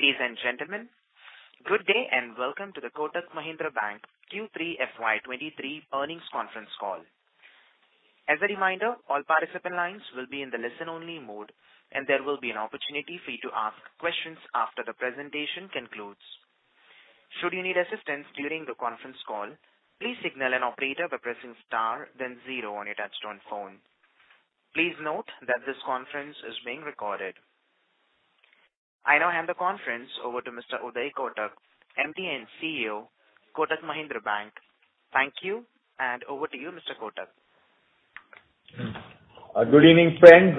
Ladies and gentlemen, good day and welcome to the Kotak Mahindra Bank Q3 FY 2023 Earnings Conference Call. As a reminder, all participant lines will be in the listen-only mode and there will be an opportunity for you to ask questions after the presentation concludes. Should you need assistance during the conference call, please signal an operator by pressing star then zero on your touchtone phone. Please note that this conference is being recorded. I now hand the conference over to Mr. Uday Kotak, MD & CEO, Kotak Mahindra Bank. Thank you and over to you, Mr. Kotak. Good evening, friends.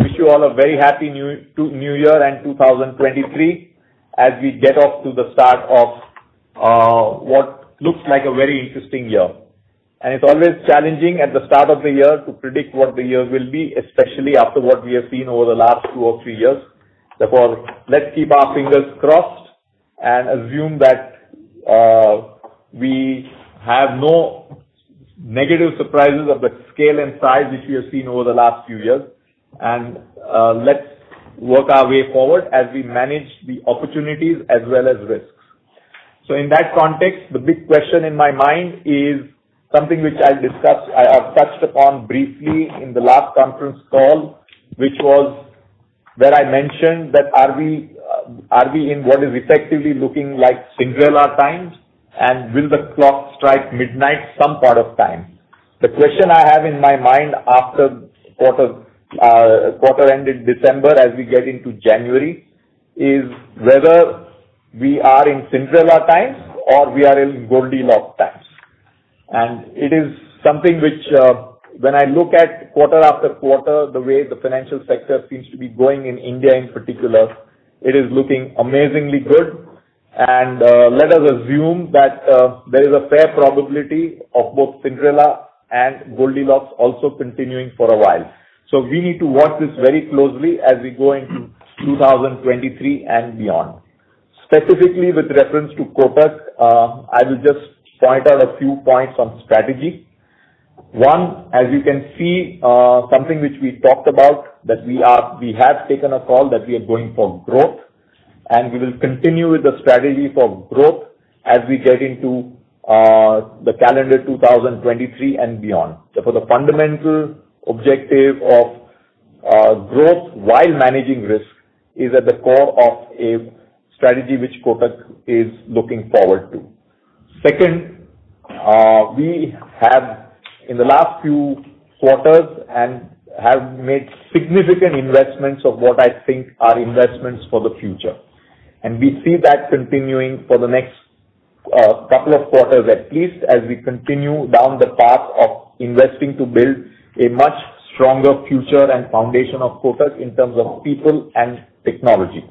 Wish you all a very happy new year and 2023, as we get off to the start of what looks like a very interesting year. It's always challenging at the start of the year to predict what the year will be, especially after what we have seen over the last two or three years. Therefore, let's keep our fingers crossed and assume that we have no negative surprises of the scale and size which we have seen over the last few years. Let's work our way forward as we manage the opportunities as well as risks. In that context, the big question in my mind is something which I'll discuss, I have touched upon briefly in the last conference call, which was where I mentioned that are we, are we in what is effectively looking like Cinderella times and will the clock strike midnight some part of time? The question I have in my mind after quarter end in December as we get into January, is whether we are in Cinderella times or we are in Goldilocks times. It is something which, when I look at quarter after quarter, the way the financial sector seems to be going in India in particular, it is looking amazingly good. Let us assume that there is a fair probability of both Cinderella and Goldilocks also continuing for a while. We need to watch this very closely as we go into 2023 and beyond. Specifically with reference to Kotak, I will just point out a few points on strategy. One, as you can see, something which we talked about that we are, we have taken a call that we are going for growth, and we will continue with the strategy for growth as we get into the calendar 2023 and beyond. Therefore, the fundamental objective of growth while managing risk is at the core of a strategy which Kotak is looking forward to. Two, we have in the last few quarters and have made significant investments of what I think are investments for the future. We see that continuing for the next couple of quarters at least as we continue down the path of investing to build a much stronger future and foundation of Kotak in terms of people and technology.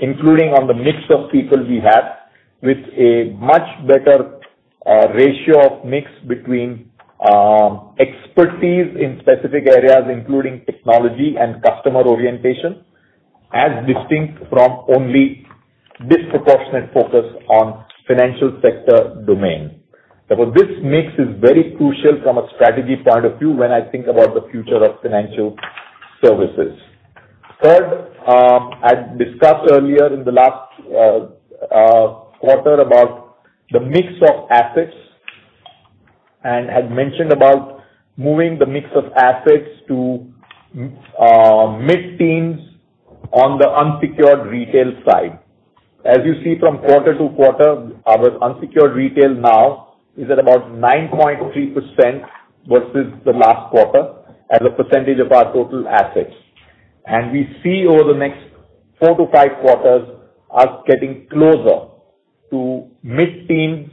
Including on the mix of people we have with a much better ratio of mix between expertise in specific areas, including technology and customer orientation, as distinct from only disproportionate focus on financial sector domain. This mix is very crucial from a strategy point of view when I think about the future of financial services. Third, I'd discussed earlier in the last quarter about the mix of assets and had mentioned about moving the mix of assets to mid-teens on the unsecured retail side. As you see from quarter to quarter, our unsecured retail now is at about 9.3% versus the last quarter as a percentage of our total assets. We see over the next four-five quarters us getting closer to mid-teens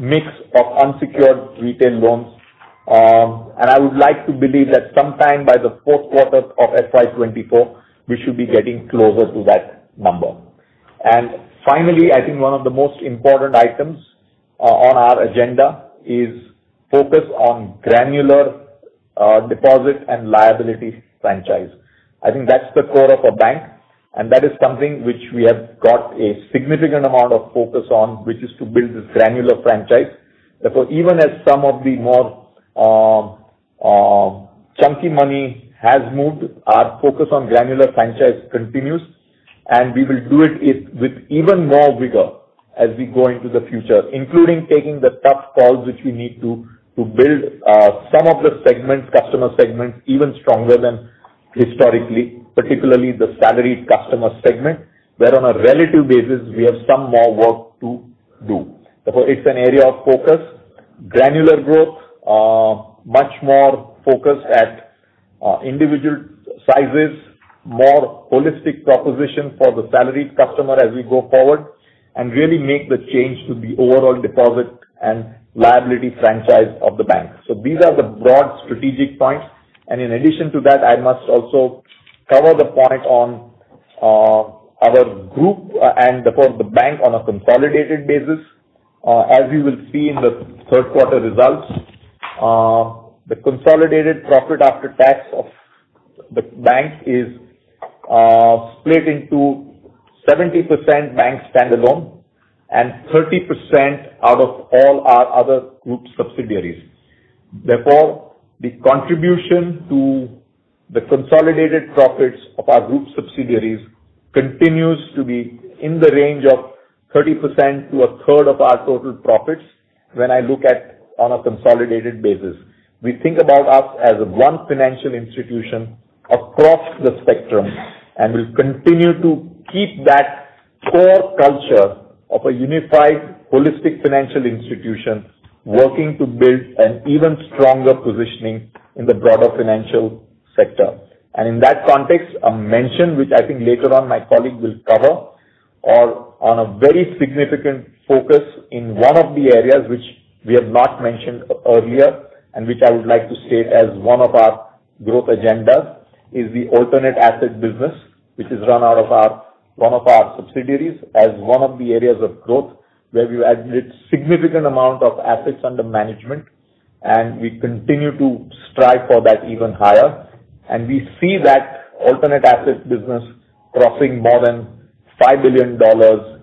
mix of unsecured retail loans. I would like to believe that sometime by the fourth quarter of FY 2024, we should be getting closer to that number. Finally, I think one of the most important items on our agenda is focus on granular deposit and liability franchise. I think that's the core of a bank, and that is something which we have got a significant amount of focus on, which is to build this granular franchise. Therefore, even as some of the more chunky money has moved, our focus on granular franchise continues, and we will do it with even more rigor as we go into the future, including taking the tough calls which we need to build some of the segments, customer segments, even stronger than historically. Particularly the salaried customer segment, where on a relative basis we have some more work to do. Therefore, it's an area of focus, granular growth, much more focused at individual sizes, more holistic proposition for the salaried customer as we go forward and really make the change to the overall deposit and liability franchise of the bank. These are the broad strategic points. In addition to that, I must also cover the point on our group and therefore the bank on a consolidated basis. As you will see in the third quarter results, the consolidated profit after tax of the bank is split into 70% bank standalone and 30% out of all our other group subsidiaries. The contribution to the consolidated profits of our group subsidiaries continues to be in the range of 30% to a third of our total profits when I look at on a consolidated basis. We think about us as one financial institution across the spectrum, and we'll continue to keep that core culture of a unified, holistic financial institution working to build an even stronger positioning in the broader financial sector. In that context, I'll mention, which I think later on my colleague will cover, or on a very significant focus in one of the areas which we have not mentioned earlier and which I would like to state as one of our growth agenda, is the alternate asset business, which is run out of one of our subsidiaries as one of the areas of growth where we've added significant amount of assets under management, and we continue to strive for that even higher. We see that alternate asset business crossing more than $5 billion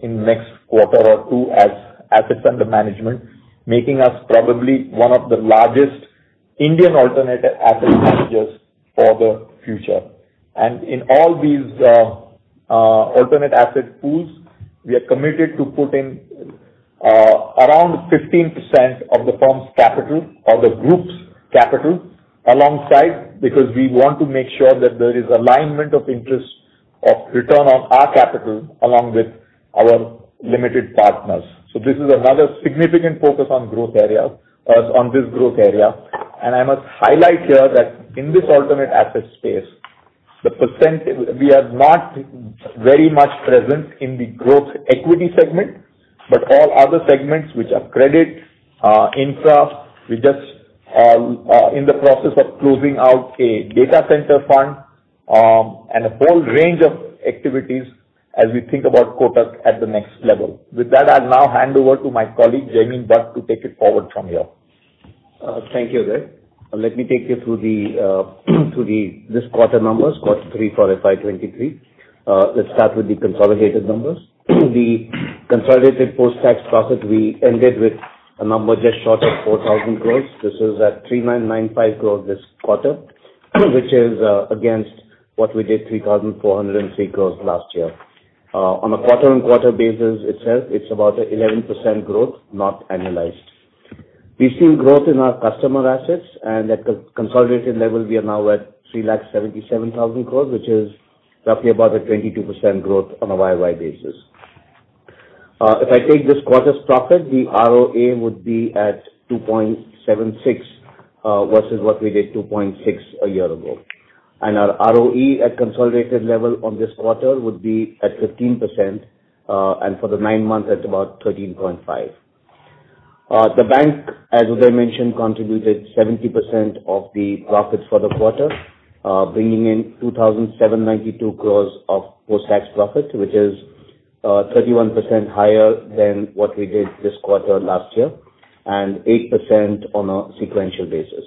in next quarter or two as assets under management, making us probably one of the largest Indian alternate asset managers for the future. In all these alternate asset pools, we are committed to putting around 15% of the firm's capital or the group's capital alongside because we want to make sure that there is alignment of interest of return on our capital along with our limited partners. This is another significant focus on growth area on this growth area. I must highlight here that in this alternate asset space, we are not very much present in the growth equity segment, but all other segments, which are credit, infra. We're just in the process of closing out a data center fund and a whole range of activities as we think about Kotak at the next level. With that, I'll now hand over to my colleague, Jaimin Bhatt, to take it forward from here. Thank you, Uday. Let me take you through the this quarter numbers, Q3 for FY 2023. Let's start with the consolidated numbers. The consolidated post-tax profit, we ended with a number just short of 4,000 crores. This is at 3,995 crores this quarter, which is against what we did, 3,403 crores last year. On a quarter-on-quarter basis itself, it's about 11% growth, not annualized. We've seen growth in our customer assets and at the consolidated level we are now at 377,000 crores, which is roughly about a 22% growth on a YoY basis. If I take this quarter's profit, the ROA would be at 2.76 versus what we did, 2.6 a year ago. Our ROE at consolidated level on this quarter would be at 15%, and for the nine months at about 13.5%. The bank, as Uday mentioned, contributed 70% of the profits for the quarter, bringing in 2,792 crores of post-tax profit, which is 31% higher than what we did this quarter last year and 8% on a sequential basis.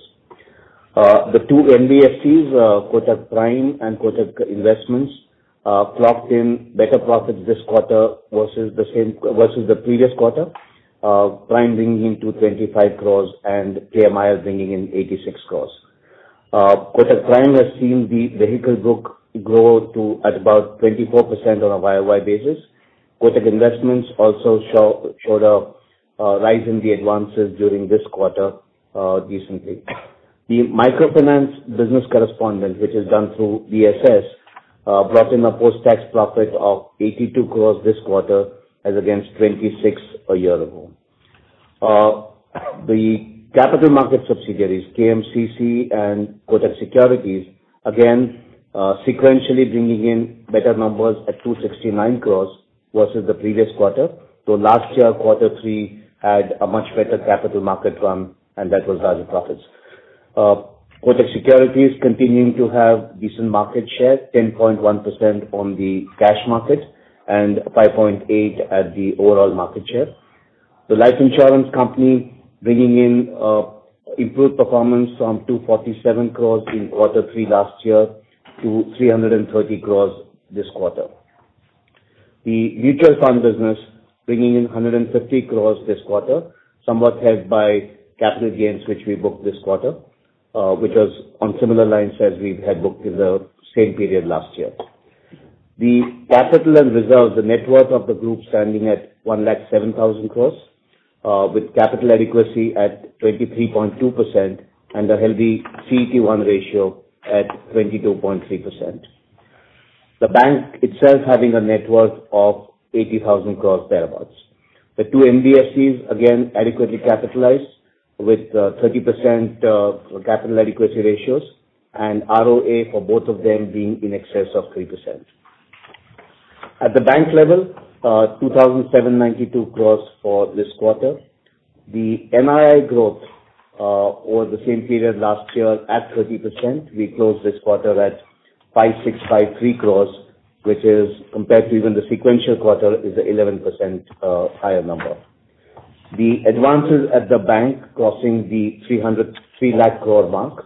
The two NBFCs, Kotak Prime and Kotak Investments, clocked in better profits this quarter versus the previous quarter. Prime bringing in 225 crores and KMI bringing in 86 crores. Kotak Prime has seen the vehicle book grow to at about 24% on a YoY basis. Kotak Investments also showed a rise in the advances during this quarter recently. The microfinance business correspondent, which is done through BSS, brought in a post-tax profit of 82 crores this quarter as against 26 a year ago. The capital market subsidiaries, KMCC and Kotak Securities, again, sequentially bringing in better numbers at 269 crores versus the previous quarter, though last year, quarter three had a much better capital market run, and that was higher profits. Kotak Securities continuing to have decent market share, 10.1% on the cash market and 5.8% at the overall market share. The life insurance company bringing in improved performance from 247 crores in quarter three last year to 330 crores this quarter. The mutual fund business bringing in 150 crores this quarter, somewhat helped by capital gains, which we booked this quarter, which was on similar lines as we had booked in the same period last year. The capital and reserves, the net worth of the group standing at 1,07,000 crores, with capital adequacy at 23.2% and a healthy CET1 ratio at 22.3%. The bank itself having a net worth of 80,000 crores whereabouts. The two NBFCs again adequately capitalized with 30% capital adequacy ratios and ROA for both of them being in excess of 3%. At the bank level, 2,792 crores for this quarter. The NII growth over the same period last year at 30%, we closed this quarter at 5,653 crores, which is compared to even the sequential quarter, is 11% higher number. The advances at the bank crossing the 3 lakh crore mark.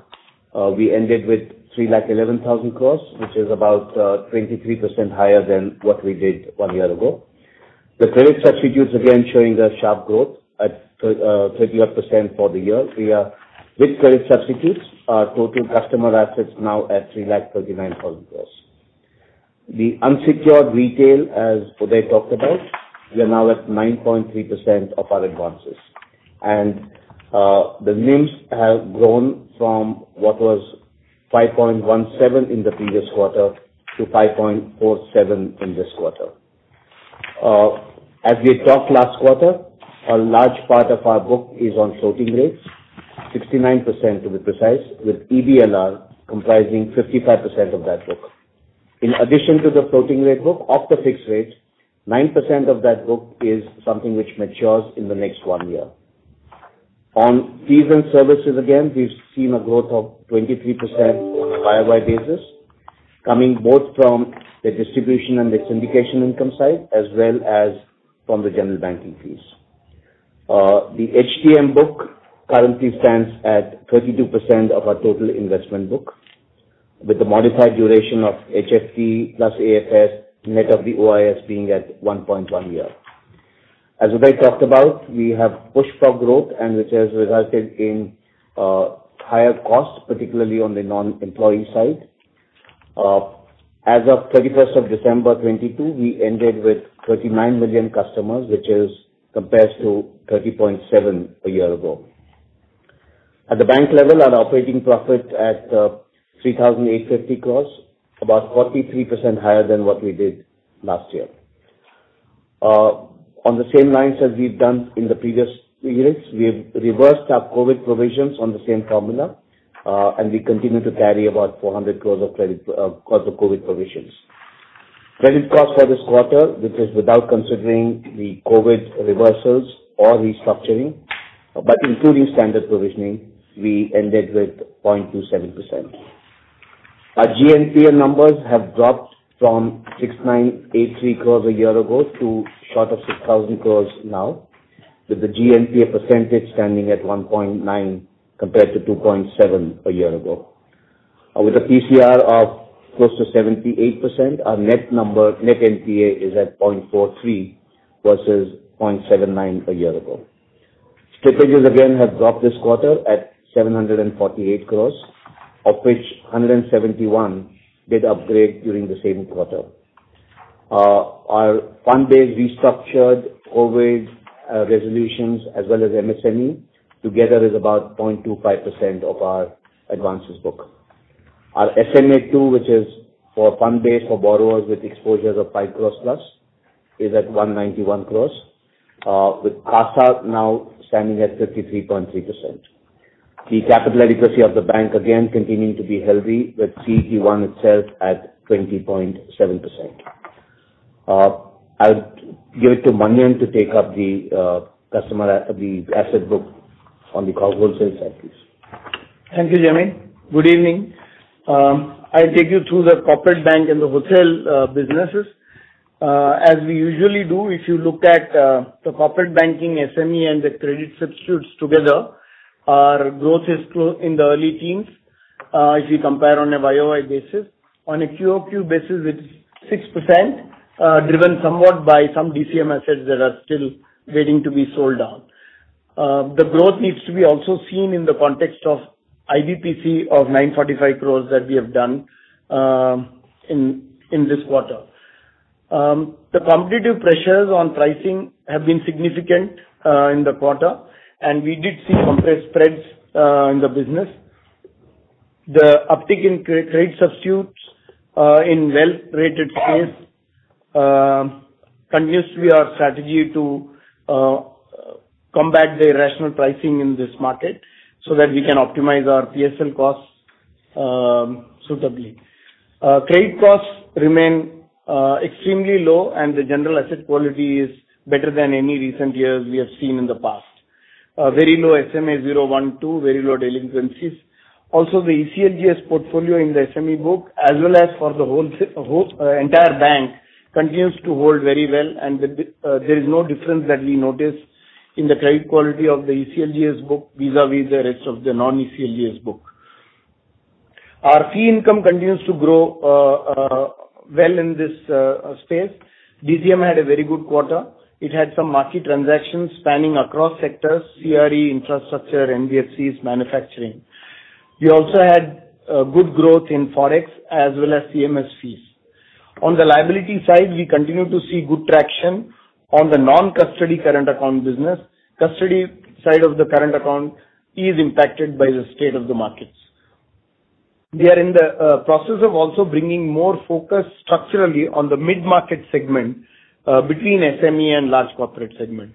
We ended with 3 lakh 11,000 crores, which is about 23% higher than what we did one year ago. The credit substitutes again showing a sharp growth at 30 odd percent for the year. We are, with credit substitutes, our total customer assets now at 3 lakh 39,000 gross. The unsecured retail, as Uday talked about, we are now at 9.3% of our advances. The NIMs have grown from what was 5.17 in the previous quarter to 5.47 in this quarter. As we talked last quarter, a large part of our book is on floating rates, 69% to be precise, with EBLR comprising 55% of that book. In addition to the floating rate book, of the fixed rate, 9% of that book is something which matures in the next one year. On fees and services again, we've seen a growth of 23% on a YoY basis, coming both from the distribution and the syndication income side, as well as from the general banking fees. The HTM book currently stands at 32% of our total investment book, with the modified duration of HFT plus AFS, net of the OIS being at 1.1 year. As Uday talked about, we have pushed for growth and which has resulted in higher costs, particularly on the non-employee side. As of 31st of December 2022, we ended with 39 million customers, which is compared to 30.7 million a year ago. At the bank level, our operating profit at 3,850 crores, about 43% higher than what we did last year. On the same lines as we've done in the previous years, we've reversed our COVID provisions on the same formula, and we continue to carry about 400 crores of credit, crores of COVID provisions. Credit cost for this quarter, which is without considering the COVID reversals or restructuring, but including standard provisioning, we ended with 0.27%. Our GNPL numbers have dropped from 6,983 crores a year ago to short of 6,000 crores now, with the GNPL percentage standing at 1.9%, compared to 2.7% a year ago. With a PCR of close to 78%, our net number, net NPA is at 0.43 versus 0.79 a year ago. Slippages again have dropped this quarter at 748 crore, of which 171 did upgrade during the same quarter. Our fund-based restructured COVID resolutions, as well as MSME together is about 0.25% of our advances book. Our SMA-2, which is for fund base for borrowers with exposures of 5 crore plus, is at 191 crore, with CASA now standing at 33.3%. The capital adequacy of the bank again continuing to be healthy with CET1 itself at 20.7%. I'll give it to Manian to take up the customer the asset book on the wholesale side, please. Thank you, Jaimin. Good evening. I'll take you through the corporate bank and the hotel businesses. As we usually do, if you look at the corporate banking SME and the credit substitutes together, our growth is in the early teens, if you compare on a year-over-year basis. On a quarter-over-quarter basis, it's 6%, driven somewhat by some DCM assets that are still waiting to be sold down. The growth needs to be also seen in the context of IBPC of 945 crores that we have done in this quarter. The competitive pressures on pricing have been significant in the quarter, and we did see compressed spreads in the business. The uptick in credit substitutes in well-rated space continues to be our strategy to combat the rational pricing in this market so that we can optimize our PSL costs suitably. Credit costs remain extremely low, and the general asset quality is better than any recent years we have seen in the past. Very low SMA-0, 1, 2, very low delinquencies. The ECLGS portfolio in the SME book, as well as for the whole entire bank, continues to hold very well and with there is no difference that we notice in the credit quality of the ECLGS book vis-à-vis the rest of the non-ECLGS book. Our fee income continues to grow well in this space. DCM had a very good quarter. It had some market transactions spanning across sectors, CRE, infrastructure, NBFCs, manufacturing. We also had good growth in Forex as well as CMS fees. On the liability side, we continue to see good traction on the non-custody current account business. Custody side of the current account is impacted by the state of the markets. We are in the process of also bringing more focus structurally on the mid-market segment between SME and large corporate segment.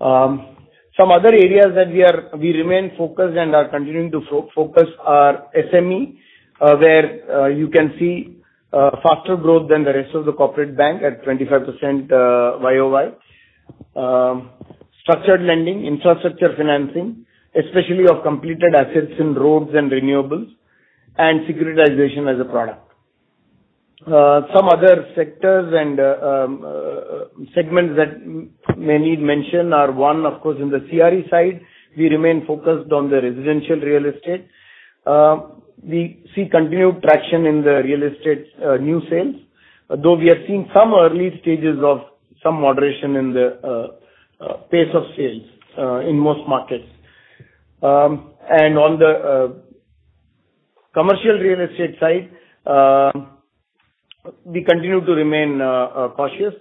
Some other areas that we are, we remain focused and are continuing to focus are SME, where you can see faster growth than the rest of the corporate bank at 25% YoY. Structured lending, infrastructure financing, especially of completed assets in roads and renewables, and securitization as a product. some other sectors and segments that may need mention are one, of course, in the CRE side, we remain focused on the residential real estate. We see continued traction in the real estate new sales. Although we are seeing some early stages of some moderation in the pace of sales in most markets. On the commercial real estate side, we continue to remain cautious.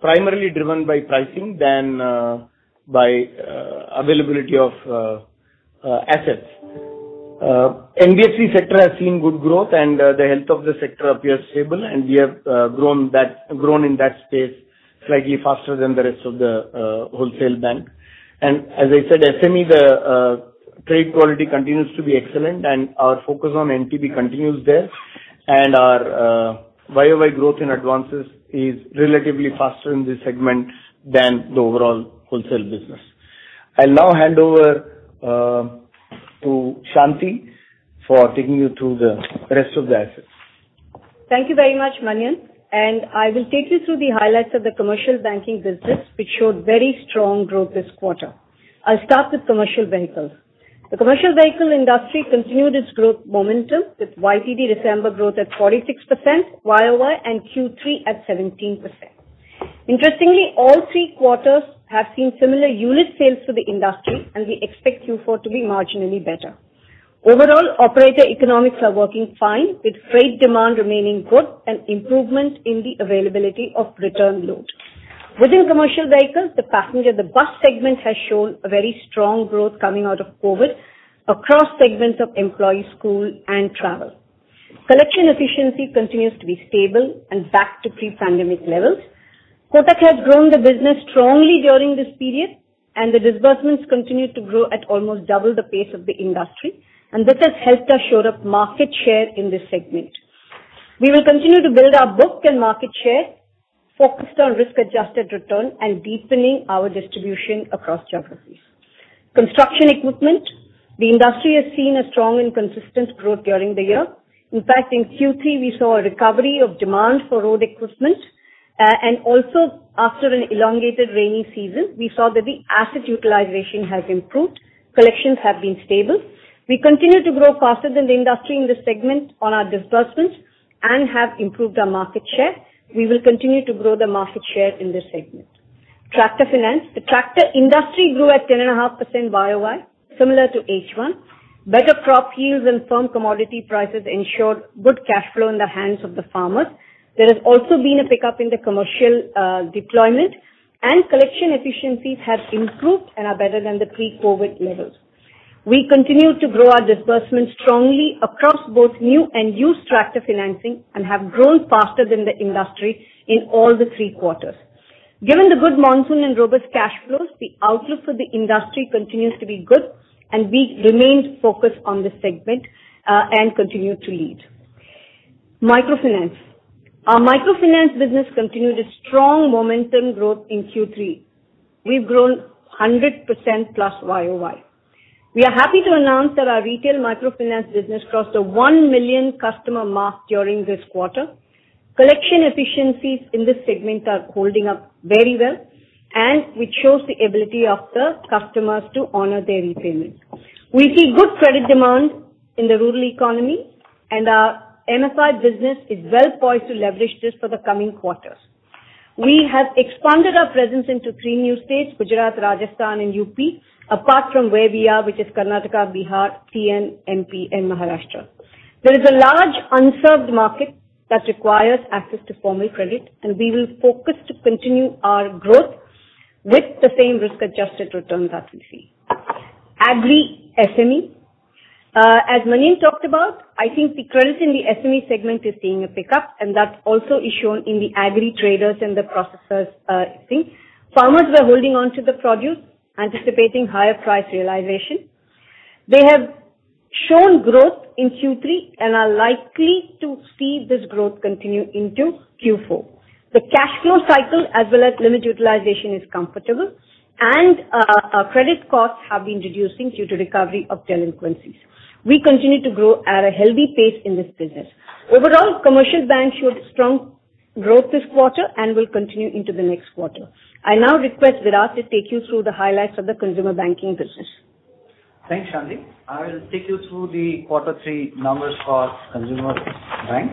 Primarily driven by pricing than by availability of assets. NBFC sector has seen good growth and the health of the sector appears stable, and we have grown in that space slightly faster than the rest of the wholesale bank. As I said, SME, the trade quality continues to be excellent and our focus on NTP continues there. Our YoY growth in advances is relatively faster in this segment than the overall wholesale business. I'll now hand over to Shanti for taking you through the rest of the assets. Thank you very much, Manian. I will take you through the highlights of the commercial banking business, which showed very strong growth this quarter. I'll start with commercial vehicles. The commercial vehicle industry continued its growth momentum with YTD December growth at 46% YoY and Q3 at 17%. Interestingly, all three quarters have seen similar unit sales for the industry and we expect Q4 to be marginally better. Overall, operator economics are working fine with freight demand remaining good and improvement in the availability of return load. Within commercial vehicles, the passenger, the bus segment has shown a very strong growth coming out of COVID across segments of employee, school, and travel. Collection efficiency continues to be stable and back to pre-pandemic levels. Kotak has grown the business strongly during this period, the disbursements continue to grow at almost double the pace of the industry. This has helped us shore up market share in this segment. We will continue to build our book and market share, focused on risk-adjusted return and deepening our distribution across geographies. Construction equipment. The industry has seen a strong and consistent growth during the year. In fact, in Q3 we saw a recovery of demand for road equipment. And also after an elongated rainy season, we saw that the asset utilization has improved, collections have been stable. We continue to grow faster than the industry in this segment on our disbursements and have improved our market share. We will continue to grow the market share in this segment. Tractor finance. The tractor industry grew at 10.5% YoY, similar to H1. Better crop yields and firm commodity prices ensured good cash flow in the hands of the farmers. There has also been a pickup in the commercial deployment and collection efficiencies have improved and are better than the pre-COVID levels. We continue to grow our disbursements strongly across both new and used tractor financing and have grown faster than the industry in all the three quarters. Given the good monsoon and robust cash flows, the outlook for the industry continues to be good and we remain focused on this segment and continue to lead. Microfinance. Our microfinance business continued its strong momentum growth in Q3. We've grown 100% plus YoY. We are happy to announce that our retail microfinance business crossed the 1 million customer mark during this quarter. Collection efficiencies in this segment are holding up very well and which shows the ability of the customers to honor their repayments. We see good credit demand in the rural economy and our MFI business is well poised to leverage this for the coming quarters. We have expanded our presence into three new states, Gujarat, Rajasthan and UP, apart from where we are, which is Karnataka, Bihar, TN, MP and Maharashtra. There is a large unserved market that requires access to formal credit, and we will focus to continue our growth with the same risk-adjusted returns that we see. Agri SME. As Manian talked about, I think the credit in the SME segment is seeing a pickup and that also is shown in the agri traders and the processors, thing. Farmers were holding on to the produce, anticipating higher price realization. They have shown growth in Q3 and are likely to see this growth continue into Q4. The cash flow cycle as well as limit utilization is comfortable and our credit costs have been reducing due to recovery of delinquencies. We continue to grow at a healthy pace in this business. Overall, commercial bank showed strong growth this quarter and will continue into the next quarter. I now request Virat to take you through the highlights of the consumer banking business. Thanks, Shanti. I will take you through the quarter three numbers for consumer bank.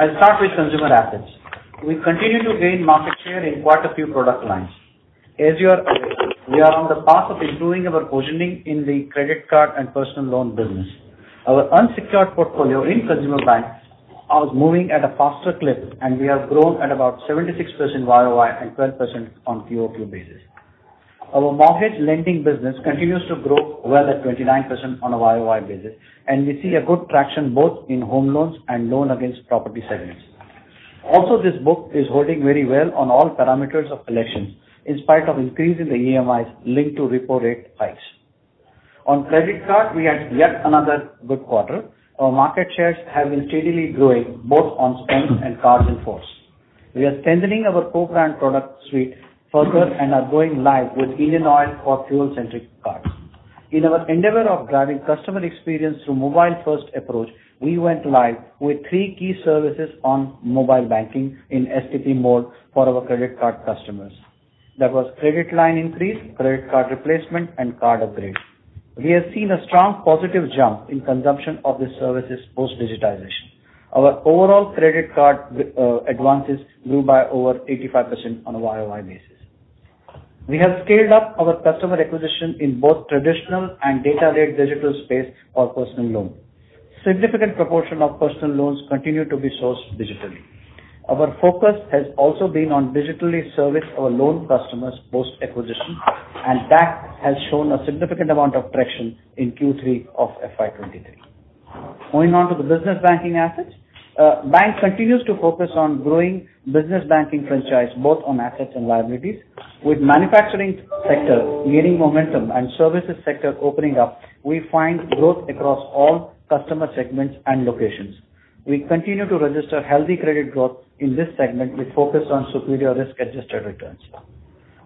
I'll start with consumer assets. We continue to gain market share in quite a few product lines. As you are aware, we are on the path of improving our positioning in the credit card and personal loan business. Our unsecured portfolio in consumer banks are moving at a faster clip, and we have grown at about 76% YoY and 12% on QOQ basis. Our mortgage lending business continues to grow well at 29% on a YoY basis, and we see a good traction both in home loans and Loan Against Property segments. Also, this book is holding very well on all parameters of collections, in spite of increase in the EMIs linked to repo rate hikes. On credit card, we had yet another good quarter. Our market shares have been steadily growing both on spend and cards in force. We are strengthening our co-brand product suite further and are going live with Indian Oil for fuel-centric cards. In our endeavor of driving customer experience through mobile-first approach, we went live with three key services on mobile banking in STP mode for our credit card customers. That was credit line increase, credit card replacement, and card upgrade. We have seen a strong positive jump in consumption of the services post-digitization. Our overall credit card advances grew by over 85% on a YoY basis. We have scaled up our customer acquisition in both traditional and data-led digital space for personal loan. Significant proportion of personal loans continue to be sourced digitally. Our focus has also been on digitally service our loan customers post-acquisition. That has shown a significant amount of traction in Q3 of FY 2023. Moving on to the business banking assets. Bank continues to focus on growing business banking franchise, both on assets and liabilities. With manufacturing sector gaining momentum and services sector opening up, we find growth across all customer segments and locations. We continue to register healthy credit growth in this segment with focus on superior risk-adjusted returns.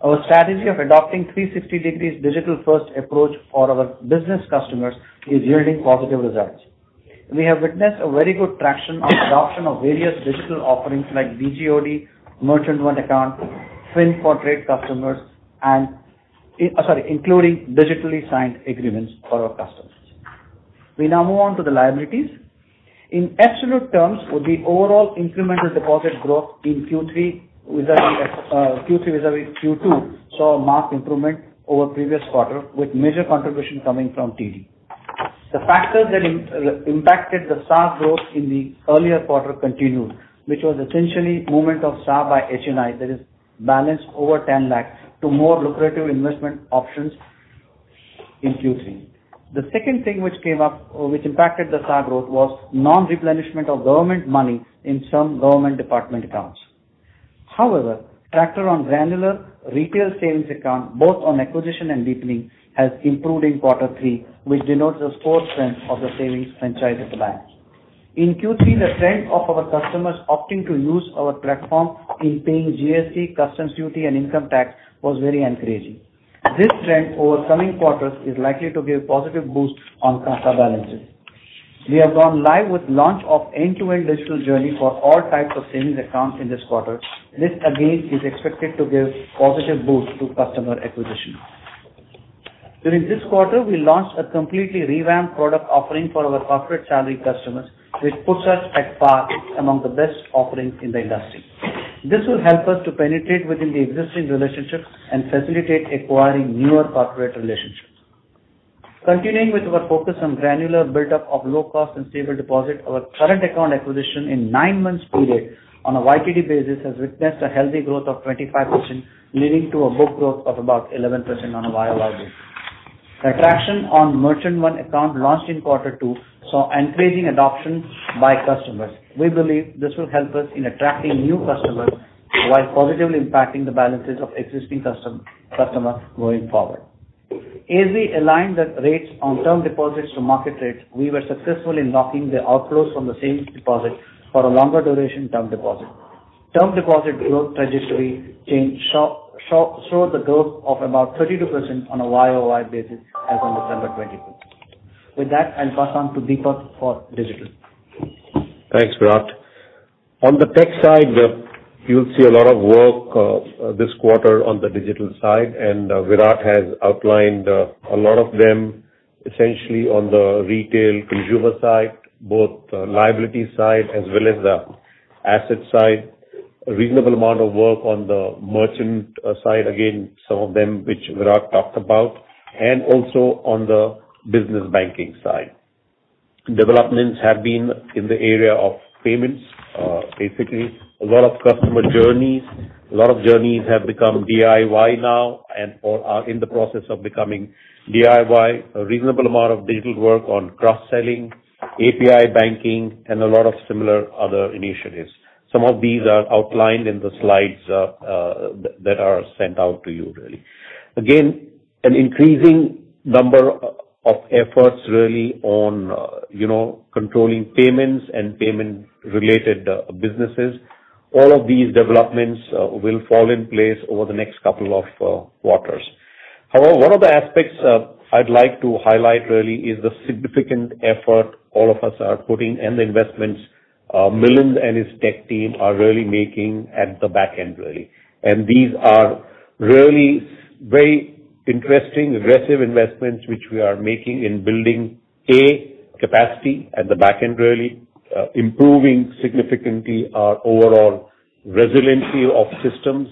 Our strategy of adopting 360 degrees digital-first approach for our business customers is yielding positive results. We have witnessed a very good traction on adoption of various digital offerings like BGOD, Merchant One Account, FIN for trade customers and Sorry, including digitally signed agreements for our customers. We now move on to the liabilities. In absolute terms, with the overall incremental deposit growth in Q3 vis-à-vis Q3 vis-à-vis Q2, saw a marked improvement over previous quarter with major contribution coming from TD. The factors that impacted the SA growth in the earlier quarter continued, which was essentially movement of SA by HNI, that is balanced over 10 lakhs to more lucrative investment options in Q3. The second thing which came up, or which impacted the SA growth was non-replenishment of government money in some government department accounts. tractor on granular retail savings account, both on acquisition and deepening, has improved in quarter three, which denotes the fourth trend of the savings franchise of the bank. In Q3, the trend of our customers opting to use our platform in paying GST, customs duty, and income tax was very encouraging. This trend over coming quarters is likely to give positive boost on CASA balances. We have gone live with launch of end-to-end digital journey for all types of savings accounts in this quarter. This again is expected to give positive boost to customer acquisition. During this quarter, we launched a completely revamped product offering for our corporate salary customers, which puts us at par among the best offerings in the industry. This will help us to penetrate within the existing relationships and facilitate acquiring newer corporate relationships. Continuing with our focus on granular buildup of low cost and stable deposit, our current account acquisition in nine months period on a YTD basis has witnessed a healthy growth of 25%, leading to a book growth of about 11% on a YoY basis. The traction on Merchant One Account launched in quarter two saw encouraging adoption by customers. We believe this will help us in attracting new customers while positively impacting the balances of existing customers going forward. As we aligned the rates on term deposits to market rates, we were successful in locking the outflows from the savings deposit for a longer duration term deposit. Term deposit growth trajectory changed to show the growth of about 32% on a YoY basis as on December 24th. I'll pass on to Dipak for digital. Thanks, Virat. On the tech side, you'll see a lot of work this quarter on the digital side, and Virat has outlined a lot of them essentially on the retail consumer side, both the liability side as well as the asset side. A reasonable amount of work on the merchant side, again, some of them which Virat talked about, and also on the business banking side. Developments have been in the area of payments. Basically a lot of customer journeys, a lot of journeys have become DIY now and or are in the process of becoming DIY. A reasonable amount of digital work on cross-selling, API banking, and a lot of similar other initiatives. Some of these are outlined in the slides, that are sent out to you really. An increasing number of efforts really on, you know, controlling payments and payment related businesses. All of these developments will fall in place over the next couple of quarters. However, one of the aspects I'd like to highlight really is the significant effort all of us are putting and the investments Milind and his tech team are really making at the back end, really. These are really very interesting, aggressive investments which we are making in building capacity at the back end, really. Improving significantly our overall resiliency of systems,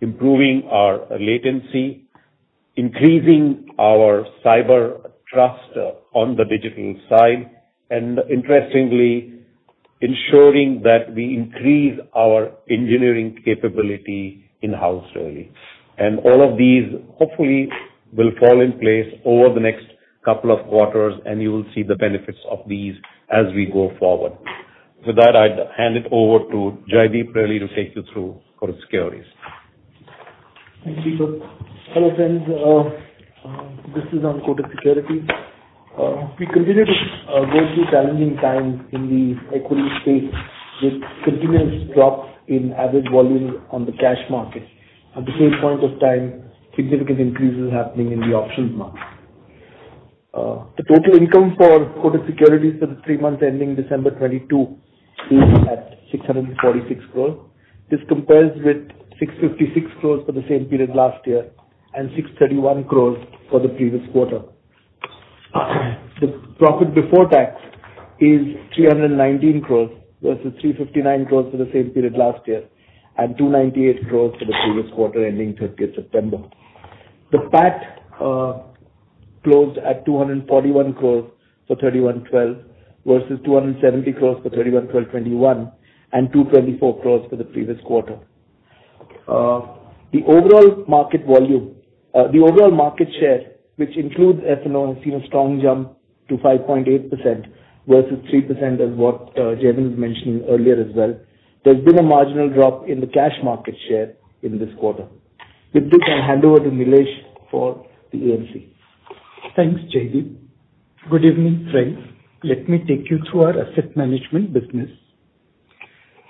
improving our latency, increasing our cyber trust on the digital side and interestingly ensuring that we increase our engineering capability in-house, really. All of these hopefully will fall in place over the next couple of quarters, and you will see the benefits of these as we go forward. With that, I'd hand it over to Jaideep really to take you through Kotak Securities. Thanks, Dipak. Hello friends, this is on Kotak Securities. We continue to go through challenging times in the equity space with continuous drops in average volume on the cash market. At the same point of time, significant increases happening in the options market. The total income for Kotak Securities for the three months ending December 2022 is at 646 crores. This compares with 656 crores for the same period last year and 631 crores for the previous quarter. The profit before tax is 319 crores versus 359 crores for the same period last year and 298 crores for the previous quarter ending 30th September. The PAT closed at 241 crores for 31/12 versus 270 crores for 31/12/2021 and 224 crores for the previous quarter. The overall market share, which includes FNO, has seen a strong jump to 5.8% versus 3% is what Jaimin mentioned earlier as well. There's been a marginal drop in the cash market share in this quarter. With this, I hand over to Nilesh for the AMC. Thanks, Jaideep. Good evening, friends. Let me take you through our asset management business.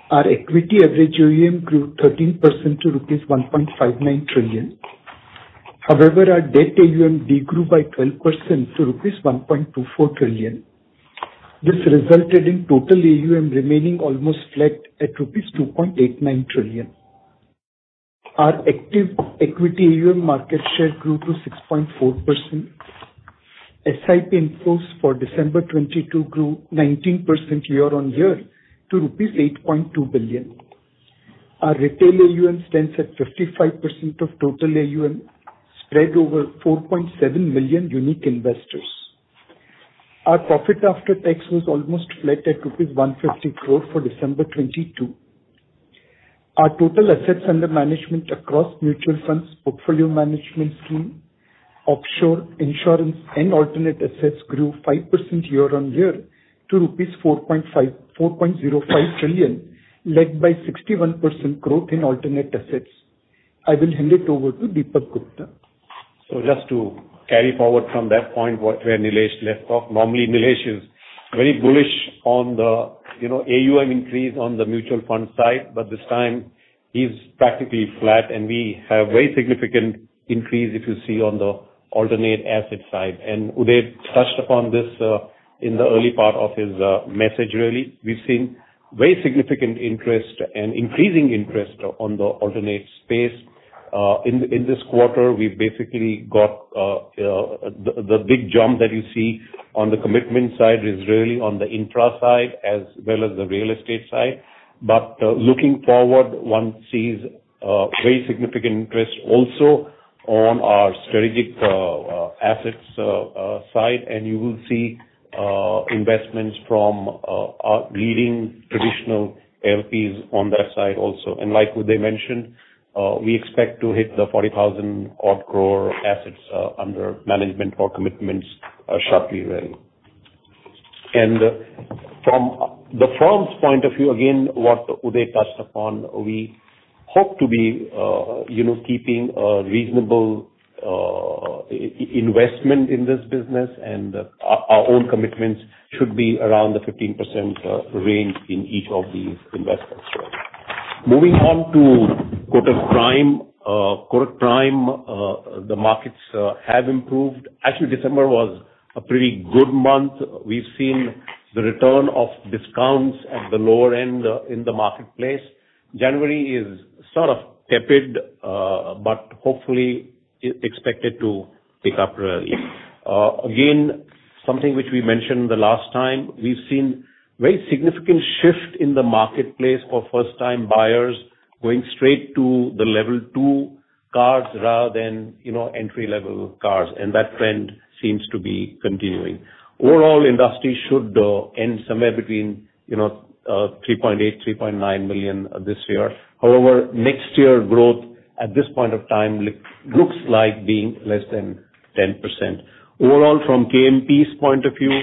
Our equity average AUM grew 13% to rupees 1.59 trillion. However, our debt AUM degrew by 12% to rupees 1.24 trillion. This resulted in total AUM remaining almost flat at rupees 2.89 trillion. Our active equity AUM market share grew to 6.4%. SIP inflows for December 2022 grew 19% year-on-year to rupees 8.2 billion. Our retail AUM stands at 55% of total AUM, spread over 4.7 million unique investors. Our profit after tax was almost flat at rupees 150 crore for December 2022. Our total assets under management across mutual funds, portfolio management scheme, offshore insurance and alternate assets grew 5% year-on-year to rupees 4.05 trillion, led by 61% growth in alternate assets. I will hand it over to Dipak Gupta. Just to carry forward from that point where Nilesh left off, normally Nilesh is very bullish on the, you know, AUM increase on the mutual fund side, but this time he's practically flat and we have very significant increase if you see on the alternate asset side. Uday touched upon this in the early part of his message really. We've seen very significant interest and increasing interest on the alternate space. In this quarter, we've basically got the big jump that you see on the commitment side is really on the infra side as well as the real estate side. Looking forward, one sees very significant interest also on our strategic assets side, and you will see investments from our leading traditional LPs on that side also. Like Uday mentioned, we expect to hit the 40,000 odd crore assets, under management or commitments, shortly really. From the firm's point of view, again, what Uday touched upon, we hope to be, you know, keeping a reasonable investment in this business and our own commitments should be around the 15% range in each of these investments really. Moving on to Kotak Prime. Kotak Prime, the markets, have improved. Actually, December was a pretty good month. We've seen the return of discounts at the lower end, in the marketplace. January is sort of tepid, but hopefully expected to pick up really. Again, something which we mentioned the last time, we've seen very significant shift in the marketplace for first time buyers going straight to the level two cars rather than, you know, entry-level cars, that trend seems to be continuing. Overall industry should end somewhere between, you know, 3.8 million-3.9 million this year. Next year growth at this point of time looks like being less than 10%. Overall from KMP's point of view,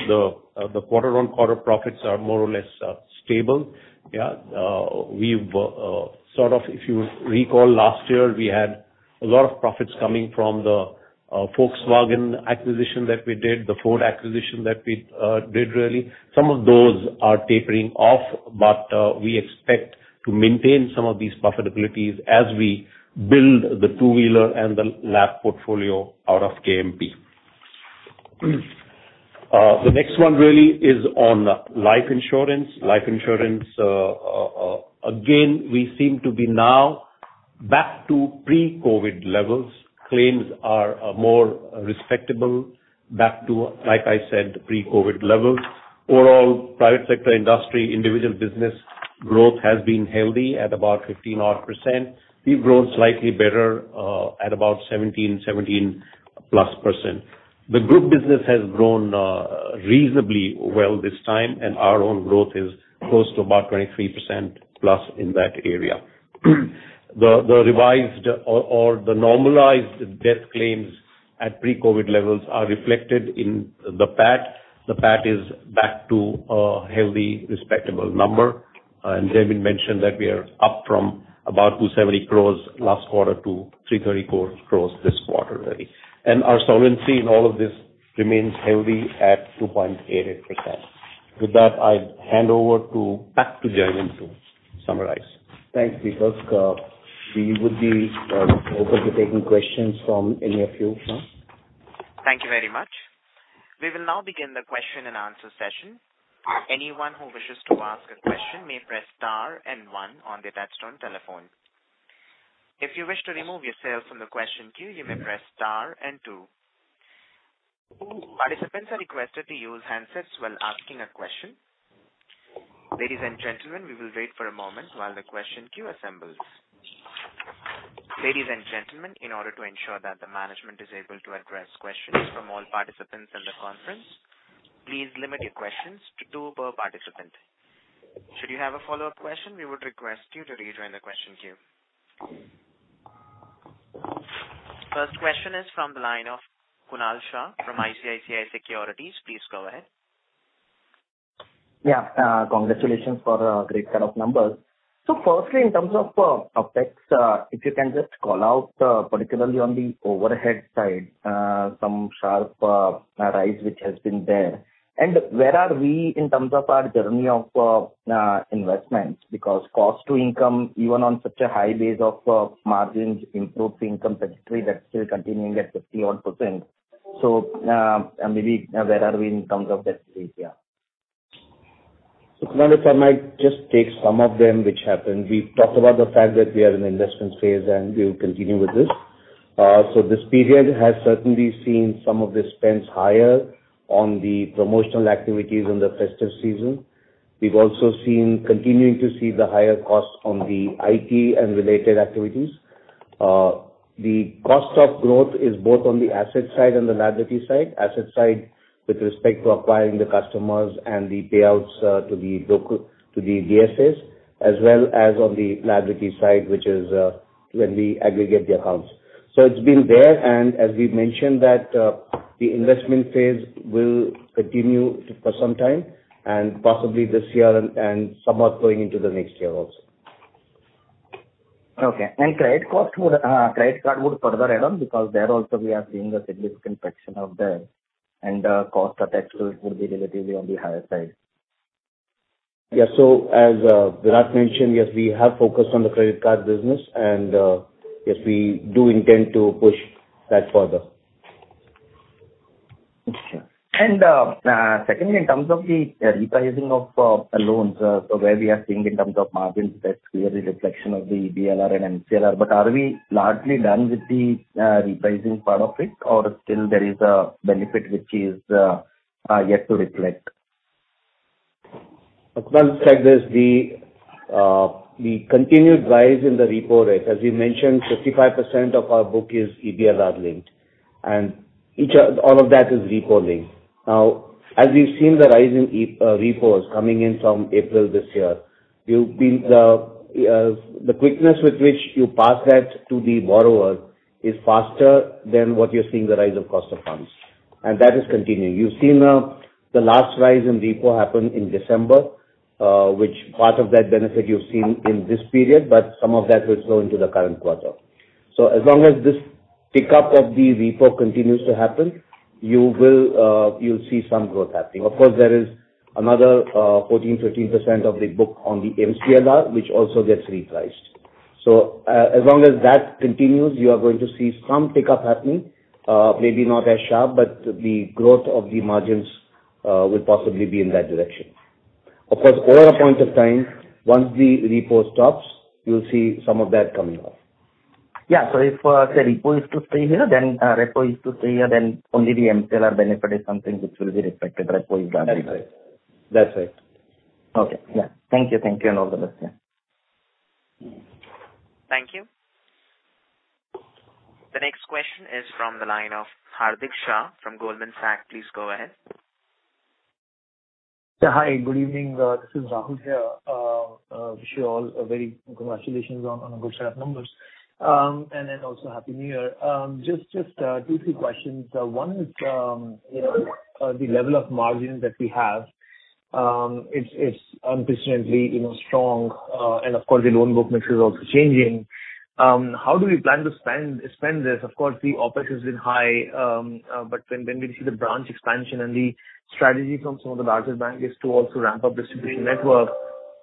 the quarter-on-quarter profits are more or less stable, yeah. We've sort of if you recall last year, we had a lot of profits coming from the Volkswagen acquisition that we did, the Ford acquisition that we did really. Some of those are tapering off, we expect to maintain some of these profitabilities as we build the two-wheeler and the LAP portfolio out of KMP. The next one really is on life insurance. Life insurance, again, we seem to be now back to pre-COVID levels. Claims are more respectable back to, like I said, pre-COVID levels. Overall private sector industry, individual business growth has been healthy at about 15 odd %. We've grown slightly better, at about 17%+. The group business has grown, reasonably well this time, and our own growth is close to about 23%+ in that area. The revised or the normalized death claims at pre-COVID levels are reflected in the PAT. The PAT is back to a healthy, respectable number. Jaimin mentioned that we are up from about 270 crores last quarter to 330 crores this quarter really. Our solvency in all of this remains healthy at 2.88%.With that, I hand over to back to Jaimin to summarize. Thanks, Dipak. We would be open to taking questions from any of you now. Thank you very much. We will now begin the question and answer session. Anyone who wishes to ask a question may press star and one on their touch-tone telephone. If you wish to remove yourself from the question queue, you may press star and two. Participants are requested to use handsets while asking a question. Ladies and gentlemen, we will wait for a moment while the question queue assembles. Ladies and gentlemen, in order to ensure that the management is able to address questions from all participants in the conference, please limit your questions to two per participant. Should you have a follow-up question, we would request you to rejoin the question queue. First question is from the line of Kunal Shah from ICICI Securities. Please go ahead. Congratulations for a great set of numbers. Firstly, in terms of OpEx, if you can just call out particularly on the overhead side, some sharp rise which has been there. Where are we in terms of our journey of investments? Cost to income, even on such a high base of margins, improved income trajectory, that's still continuing at 50% odd. Maybe where are we in terms of that area? Kunal, if I might just take some of them which happened. We've talked about the fact that we are in investment phase, we will continue with this. This period has certainly seen some of the spends higher on the promotional activities in the festive season. We've also seen, continuing to see the higher costs on the IT and related activities. The cost of growth is both on the asset side and the liability side. Asset side with respect to acquiring the customers and the payouts to the local, to the DSS, as well as on the liability side, which is when we aggregate the accounts. It's been there, as we've mentioned that the investment phase will continue for some time, and possibly this year and somewhat going into the next year also. Okay. credit cost would, credit card would further add on because there also we are seeing a significant fraction of the... and, cost of acquisition would be relatively on the higher side. Yeah. As Virat mentioned, yes, we have focused on the credit card business and, yes, we do intend to push that further. Sure. Secondly, in terms of the repricing of loans, so where we are seeing in terms of margins, that's clearly reflection of the EBLR and MCLR, but are we largely done with the repricing part of it, or still there is a benefit which is yet to reflect? Kunal, it's like this. The continued rise in the repo rate. As we mentioned, 55% of our book is EBLR linked, and all of that is repo linked. As we've seen the rise in repos coming in from April this year, you'll be the quickness with which you pass that to the borrower is faster than what you're seeing the rise of cost of funds. That is continuing. You've seen the last rise in repo happen in December, which part of that benefit you've seen in this period, but some of that will flow into the current quarter. As long as this pickup of the repo continues to happen, you will see some growth happening. Of course, there is another 14%, 13% of the book on the MCLR, which also gets repriced. As long as that continues, you are going to see some pickup happening. Maybe not as sharp, but the growth of the margins will possibly be in that direction. Of course, over a point of time, once the repo stops, you'll see some of that coming off. Yeah. If, say repo is to stay here, then repo is to stay here, then only the MCLR benefit is something which will be reflected repo is done. That's it. That's it. Okay. Yeah. Thank you. Thank you and all the best. Yeah. Thank you. The next question is from the line of Hardik Shah from Goldman Sachs. Please go ahead. Yeah. Hi. Good evening. This is Rahul here. Wish you all a very congratulations on a good set of numbers. Also happy New Year. Just two, three questions. One is, you know, the level of margins that we have, it's unprecedentedly, you know, strong, and of course, the loan book mix is also changing. How do we plan to spend this? Of course, the OpEx has been high, when we see the branch expansion and the strategy from some of the larger bankers to also ramp up distribution network,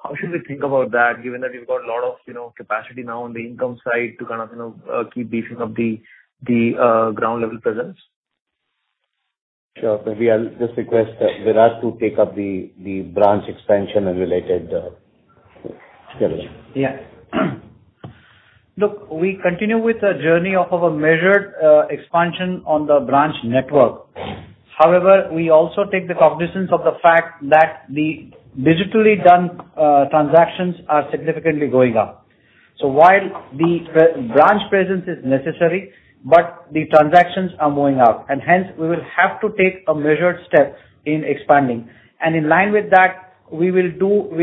how should we think about that given that you've got a lot of, you know, capacity now on the income side to kind of, you know, keep beefing up the ground level presence? Sure. Maybe I'll just request Virat to take up the branch expansion and related details. Yeah. Look, we continue with the journey of our measured expansion on the branch network. We also take the cognizance of the fact that the digitally done transactions are significantly going up. While the pre-branch presence is necessary, but the transactions are going up, and hence we will have to take a measured step in expanding. In line with that, we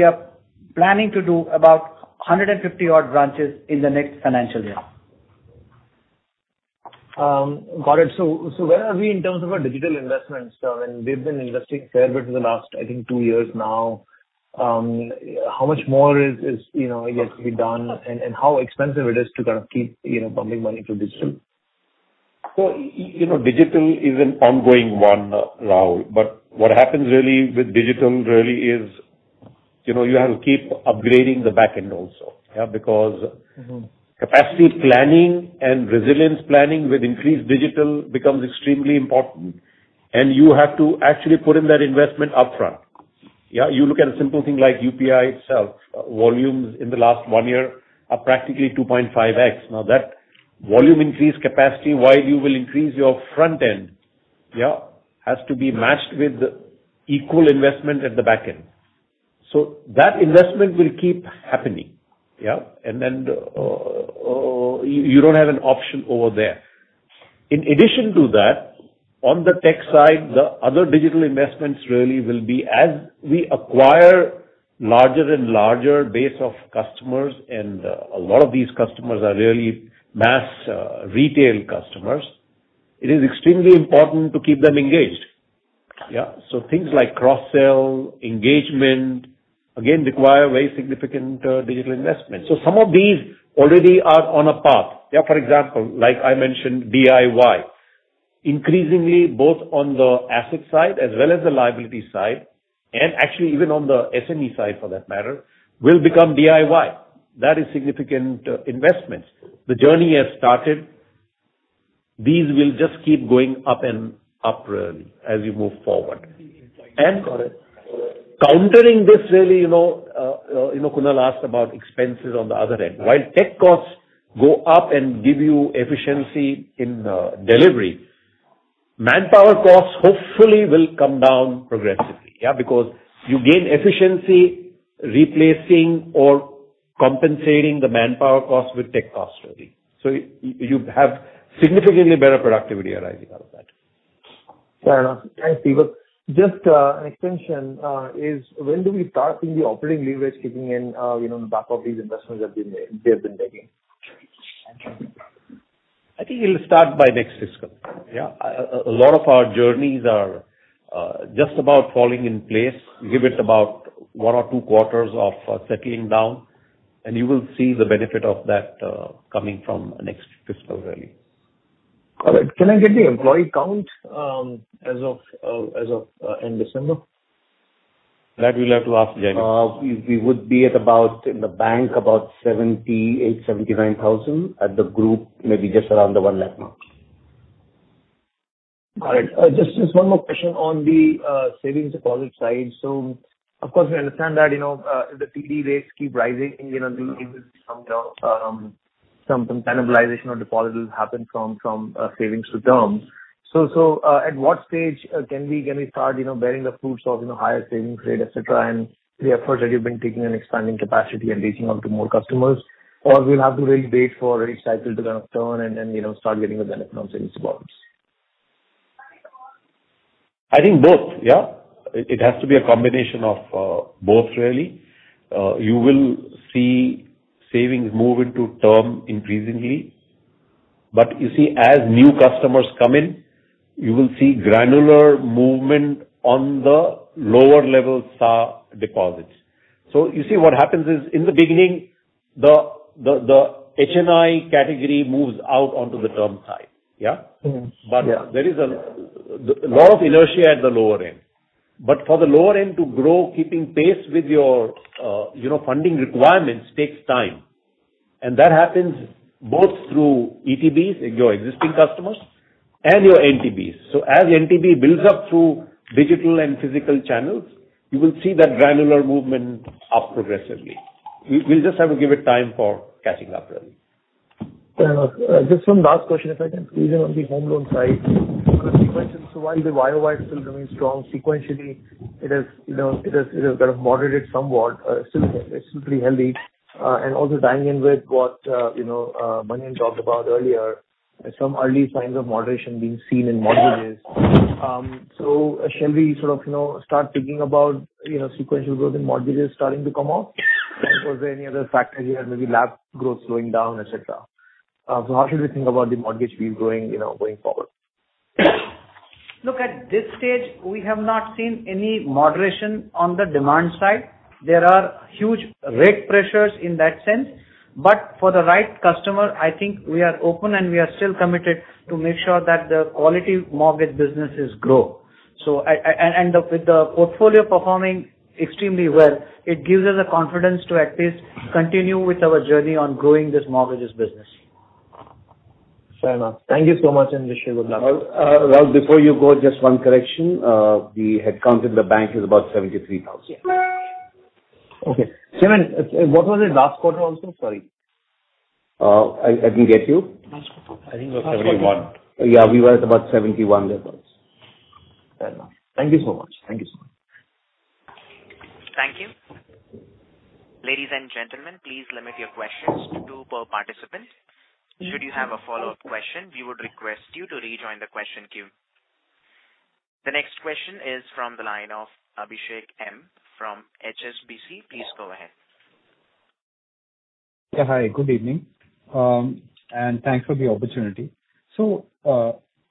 are planning to do about 150 odd branches in the next financial year. Got it. Where are we in terms of our digital investments? When we've been investing fair bit for the last, I think, two years now, how much more is, you know, yet to be done and how expensive it is to kind of keep, you know, pumping money to digital? You know, digital is an ongoing one, Rahul. What happens really with digital really is, you know, you have to keep upgrading the back end also. Yeah? Mm-hmm. Capacity planning and resilience planning with increased digital becomes extremely important, and you have to actually put in that investment upfront. Yeah? You look at a simple thing like UPI itself. Volumes in the last one year are practically 2.5x. That volume increase capacity, while you will increase your front end, yeah, has to be matched with equal investment at the back end. That investment will keep happening, yeah? You don't have an option over there. In addition to that, on the tech side, the other digital investments really will be as we acquire larger and larger base of customers, a lot of these customers are really mass, retail customers, it is extremely important to keep them engaged. Yeah? Things like cross-sell, engagement, again, require very significant digital investment. Some of these already are on a path. Yeah. For example, like I mentioned, DIY. Increasingly, both on the asset side as well as the liability side, and actually even on the SME side for that matter, will become DIY. That is significant investments. The journey has started. These will just keep going up and up really as we move forward. Got it. Countering this really, you know, Kunal asked about expenses on the other end. While tech costs go up and give you efficiency in delivery, manpower costs hopefully will come down progressively. Yeah? Because you gain efficiency replacing or compensating the manpower costs with tech costs really. You have significantly better productivity arising out of that. Fair enough. Thanks, Dipak. Just an extension is when do we start seeing the operating leverage kicking in, you know, on the back of these investments that have been made, they have been making? I think it'll start by next fiscal. Yeah. A lot of our journeys are just about falling in place. Give it about one or two quarters of settling down, and you will see the benefit of that coming from next fiscal really. All right. Can I get the employee count, as of end December? That you'll have to ask Jai. We would be at about, in the bank, about 78,000-79,000. At the group, maybe just around the 1 lakh mark. All right. Just one more question on the savings deposit side. Of course, we understand that, you know, if the TD rates keep rising, you know, we will see some cannibalization of deposits happen from savings to terms. At what stage can we start, you know, bearing the fruits of, you know, higher savings rate, et cetera? We have heard that you've been taking and expanding capacity and reaching out to more customers. We'll have to really wait for a cycle to kind of turn and then, you know, start getting the benefit on savings deposits. I think both. Yeah. It has to be a combination of both really. You will see savings move into term increasingly. You see, as new customers come in, you will see granular movement on the lower level deposits. You see what happens is in the beginning, the HNI category moves out onto the term side. Yeah? Mm-hmm. Yeah. There is the law of inertia at the lower end. For the lower end to grow, keeping pace with your, you know, funding requirements takes time. That happens both through ETBs and your existing customers and your NTBs. As NTB builds up through digital and physical channels, you will see that granular movement up progressively. We'll just have to give it time for catching up really. Fair enough. Just one last question, if I can squeeze in on the home loan side. While the YoY is still doing strong, sequentially it has, you know, kind of moderated somewhat. Still, it's still pretty healthy. Also tying in with what, you know, Manian talked about earlier, some early signs of moderation being seen in mortgages. Shall we sort of, you know, start thinking about, you know, sequential growth in mortgages starting to come off? Or was there any other factor here, maybe LAP growth slowing down, et cetera? How should we think about the mortgage wheel growing, you know, going forward? Look, at this stage we have not seen any moderation on the demand side. There are huge rate pressures in that sense. For the right customer, I think we are open and we are still committed to make sure that the quality mortgage businesses grow. I and with the portfolio performing extremely well, it gives us the confidence to at least continue with our journey on growing this mortgages business. Fair enough. Thank you so much. Wish you good luck. Rahul, before you go, just one correction. The head count in the bank is about 73,000. Okay. Seven, what was it last quarter also? Sorry. I didn't get you. Last quarter. I think it was 71. Yeah, we were at about 71 that was. Fair enough. Thank you so much. Thank you so much. Thank you. Ladies and gentlemen, please limit your questions to two per participant. Should you have a follow-up question, we would request you to rejoin the question queue. The next question is from the line of Abhishek M. from HSBC. Please go ahead. Yeah. Hi, good evening. Thanks for the opportunity.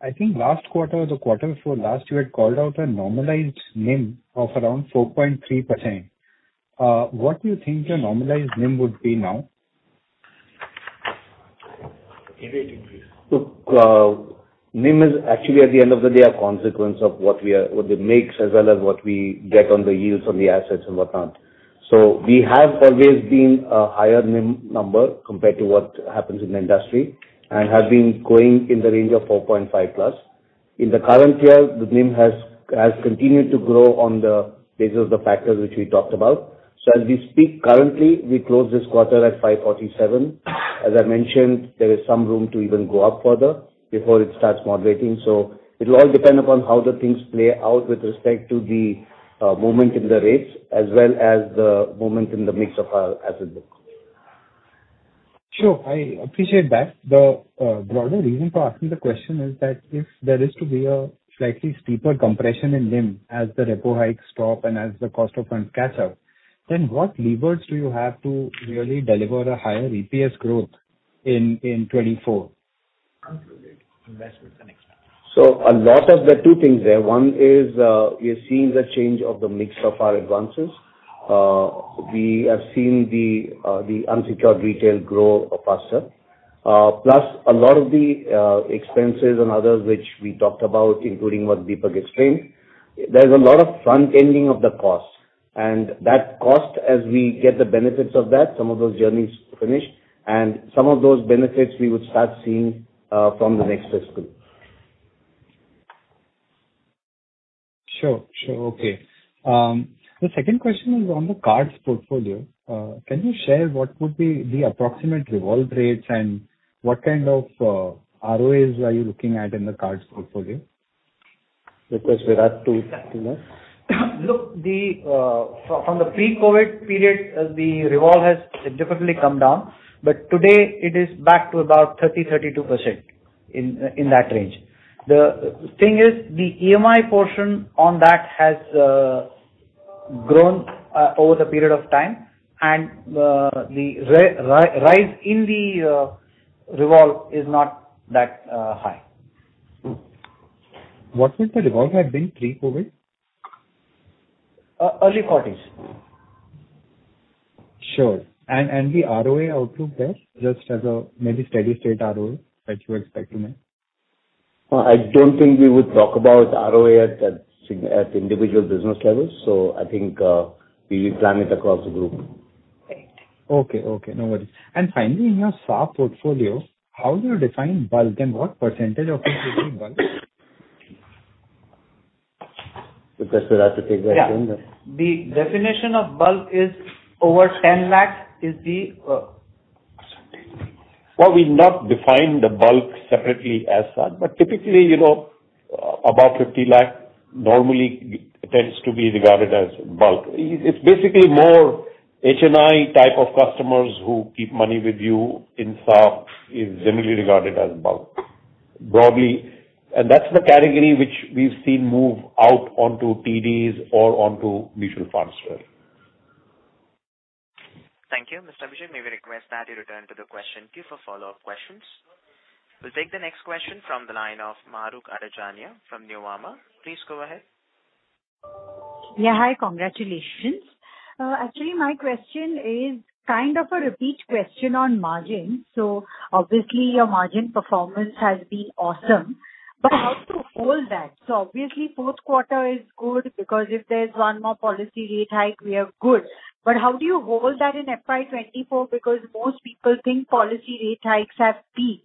I think last quarter or the quarter before last, you had called out a normalized NIM of around 4.3%. What do you think the normalized NIM would be now? NIM is actually, at the end of the day, a consequence of what we are, what the mix as well as what we get on the yields on the assets and whatnot. We have always been a higher NIM number compared to what happens in the industry and have been going in the range of 4.5+. In the current year, the NIM has continued to grow on the basis of the factors which we talked about. As we speak currently, we close this quarter at 5.47. As I mentioned, there is some room to even go up further before it starts moderating. It'll all depend upon how the things play out with respect to the movement in the rates as well as the movement in the mix of our assets book. Sure. I appreciate that. The broader reason for asking the question is that if there is to be a slightly steeper compression in NIM as the repo hikes stop and as the cost of funds cast out, then what levers do you have to really deliver a higher EPS growth in 2024? A lot of the two things there. One is, we are seeing the change of the mix of our advances. We are seeing the unsecured retail grow faster. Plus a lot of the expenses and others which we talked about, including what Dipak explained, there's a lot of front-ending of the costs. That cost, as we get the benefits of that, some of those journeys finish, and some of those benefits we would start seeing from the next fiscal. Sure. Sure. Okay. The second question is on the cards portfolio. Can you share what would be the approximate revolve rates and what kind of ROAs are you looking at in the card portfolio? Request Virat to, you know. Look, the from the pre-COVID period, the revolve has significantly come down, but today it is back to about 30%-32% in that range. The thing is, the EMI portion on that has grown over the period of time and the rise in the revolve is not that high. What was the revolve had been pre-COVID? Early forties. Sure. The ROA outlook there, just as a maybe steady state ROA that you expect to make? I don't think we would talk about ROA at individual business levels, so I think, we will plan it across the group. Okay. Okay, no worries. Finally, in your soft portfolio, how do you define bulk and what percentage of it is in bulk? Request Virat to take that one. Yeah. The definition of bulk is over 10 lakh is the... Well, we've not defined the bulk separately as such, but typically, you know, about 50 lakh normally tends to be regarded as bulk. It's basically more HNI type of customers who keep money with you in soft is generally regarded as bulk. Broadly, that's the category which we've seen move out onto TDs or onto mutual funds as well. Thank you. Mr. Abhishek, may we request that you return to the question queue for follow-up questions. We'll take the next question from the line of Mahrukh Adajania from Nuvama. Please go ahead. Yeah, hi. Congratulations. Actually, my question is kind of a repeat question on margins. Obviously your margin performance has been awesome, but how to hold that? Obviously fourth quarter is good because if there's one more policy rate hike, we are good. How do you hold that in FY 2024? Because most people think policy rate hikes have peaked.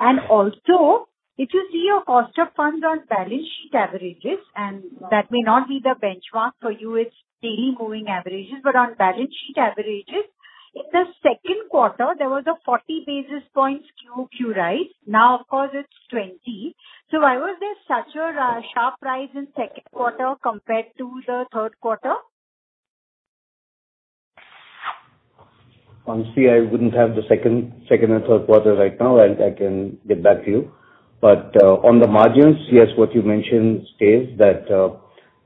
Also, if you see your cost of funds on balance sheet averages, and that may not be the benchmark for you, it's daily moving averages. On balance sheet averages, in the second quarter, there was a 40 basis points QQ rise. Now of course it's 20. Why was there such a sharp rise in second quarter compared to the third quarter? Honestly, I wouldn't have the second and third quarter right now. I can get back to you. On the margins, yes, what you mentioned stays that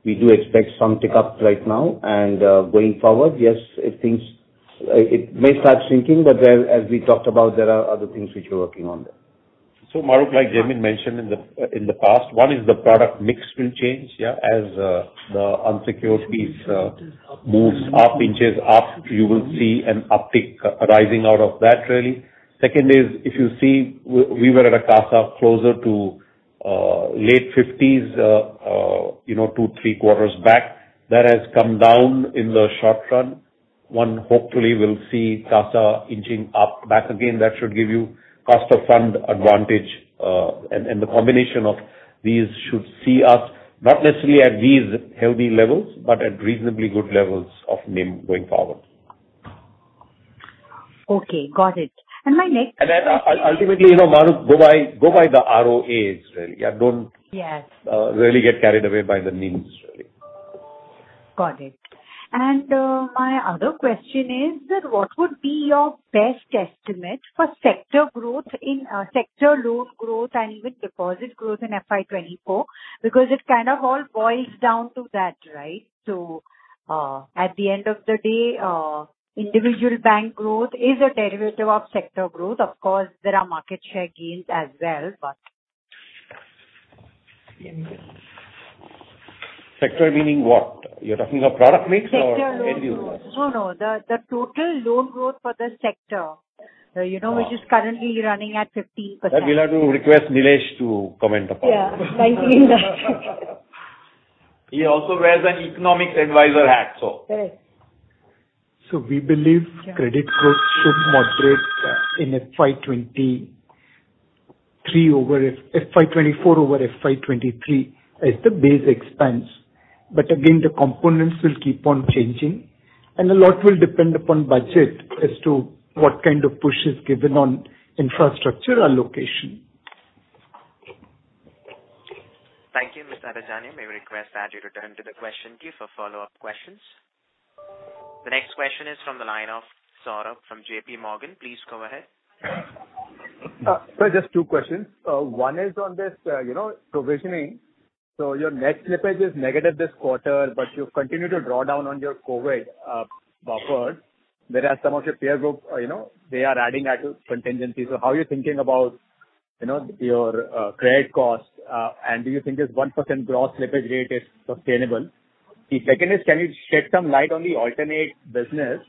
we do expect some tick-up right now and going forward, yes, it may start shrinking, but there, as we talked about, there are other things which we're working on there. Mahrukh, like Jaimin mentioned in the past, one is the product mix will change, yeah, as the unsecured piece moves up, inches up, you will see an uptick arising out of that really. Second is if you see we were at a CASA closer to late fifties, you know, two, three quarters back. That has come down in the short run. One hopefully will see CASA inching up back again. That should give you cost of fund advantage. The combination of these should see us not necessarily at these healthy levels, but at reasonably good levels of NIM going forward. Okay, got it. my next question- Ultimately, you know, Mahrukh, go by the ROAs really. Yeah. Yes. really get carried away by the NIMs really. Got it. My other question is that what would be your best estimate for sector growth in, sector loan growth and even deposit growth in FY 2024? Because it kind of all boils down to that, right? At the end of the day, individual bank growth is a derivative of sector growth. Of course, there are market share gains as well, but Sector meaning what? You're talking of product mix or end users? Sector loan growth. No. The total loan growth for the sector, you know. Uh- which is currently running at 50%. That we'll have to request Nilesh to comment upon. Yeah, likely. He also wears an economics advisor hat, so. Right. We believe. Yeah. Credit growth should moderate in FY 2024 over FY 2023 is the base expense. Again, the components will keep on changing, and a lot will depend upon budget as to what kind of push is given on infrastructure allocation. Thank you, Mr. Adajania. May we request that you return to the question queue for follow-up questions. The next question is from the line of Saurabh from JPMorgan. Please go ahead. Sir, just two questions. One is on this, you know, provisioning. Your net slippage is negative this quarter, but you've continued to draw down on your COVID buffer. Whereas some of your peer group, you know, they are adding at a contingency. How are you thinking about, you know, your credit costs? Do you think this 1% gross slippage rate is sustainable? The second is can you shed some light on the alternate business?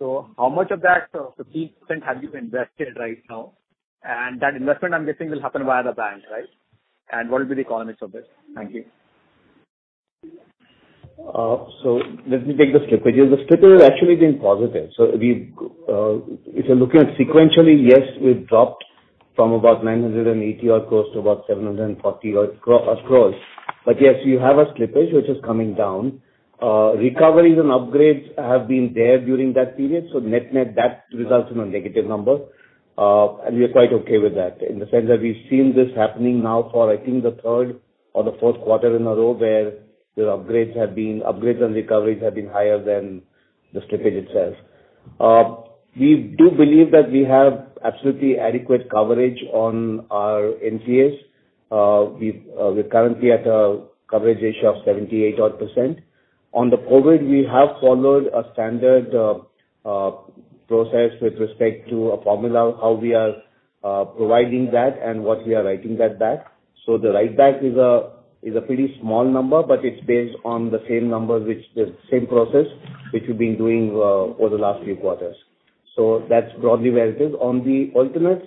How much of that 15% have you invested right now? That investment, I'm guessing, will happen via the bank, right? What will be the economics of this? Thank you. Let me take the slippage. Yeah, the slippage has actually been positive. If you're looking at sequentially, yes, we've dropped from about 980 odd crores to about 740 odd crores. Yes, we have a slippage which is coming down. Recoveries and upgrades have been there during that period, so net-net that results in a negative number. We are quite okay with that in the sense that we've seen this happening now for I think the third or the fourth quarter in a row, where the upgrades and recoveries have been higher than the slippage itself. We do believe that we have absolutely adequate coverage on our NCAs. We've, we're currently at a coverage ratio of 78% odd. On the COVID, we have followed a standard process with respect to a formula, how we are providing that and what we are writing that back. The writeback is a pretty small number, but it's based on the same number which the same process which we've been doing over the last few quarters. That's broadly where it is. On the alternates,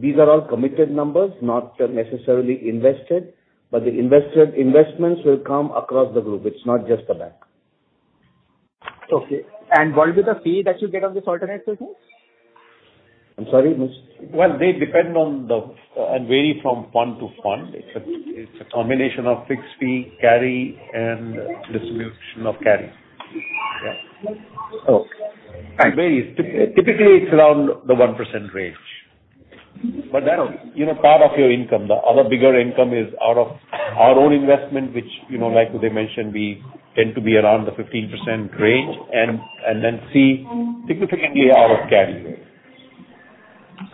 these are all committed numbers, not necessarily invested, but the invested investments will come across the group. It's not just the bank. Okay. What will be the fee that you get on this alternate business? I'm sorry, Nilesh? Well, they depend on the and vary from fund to fund. It's a combination of fixed fee carry and distribution of carry. Yeah. Okay. It varies. Typically, it's around the 1% range. That, you know, part of your income. The other bigger income is out of our own investment, which, you know, like Uday mentioned, we tend to be around the 15% range and then see significantly out of carry.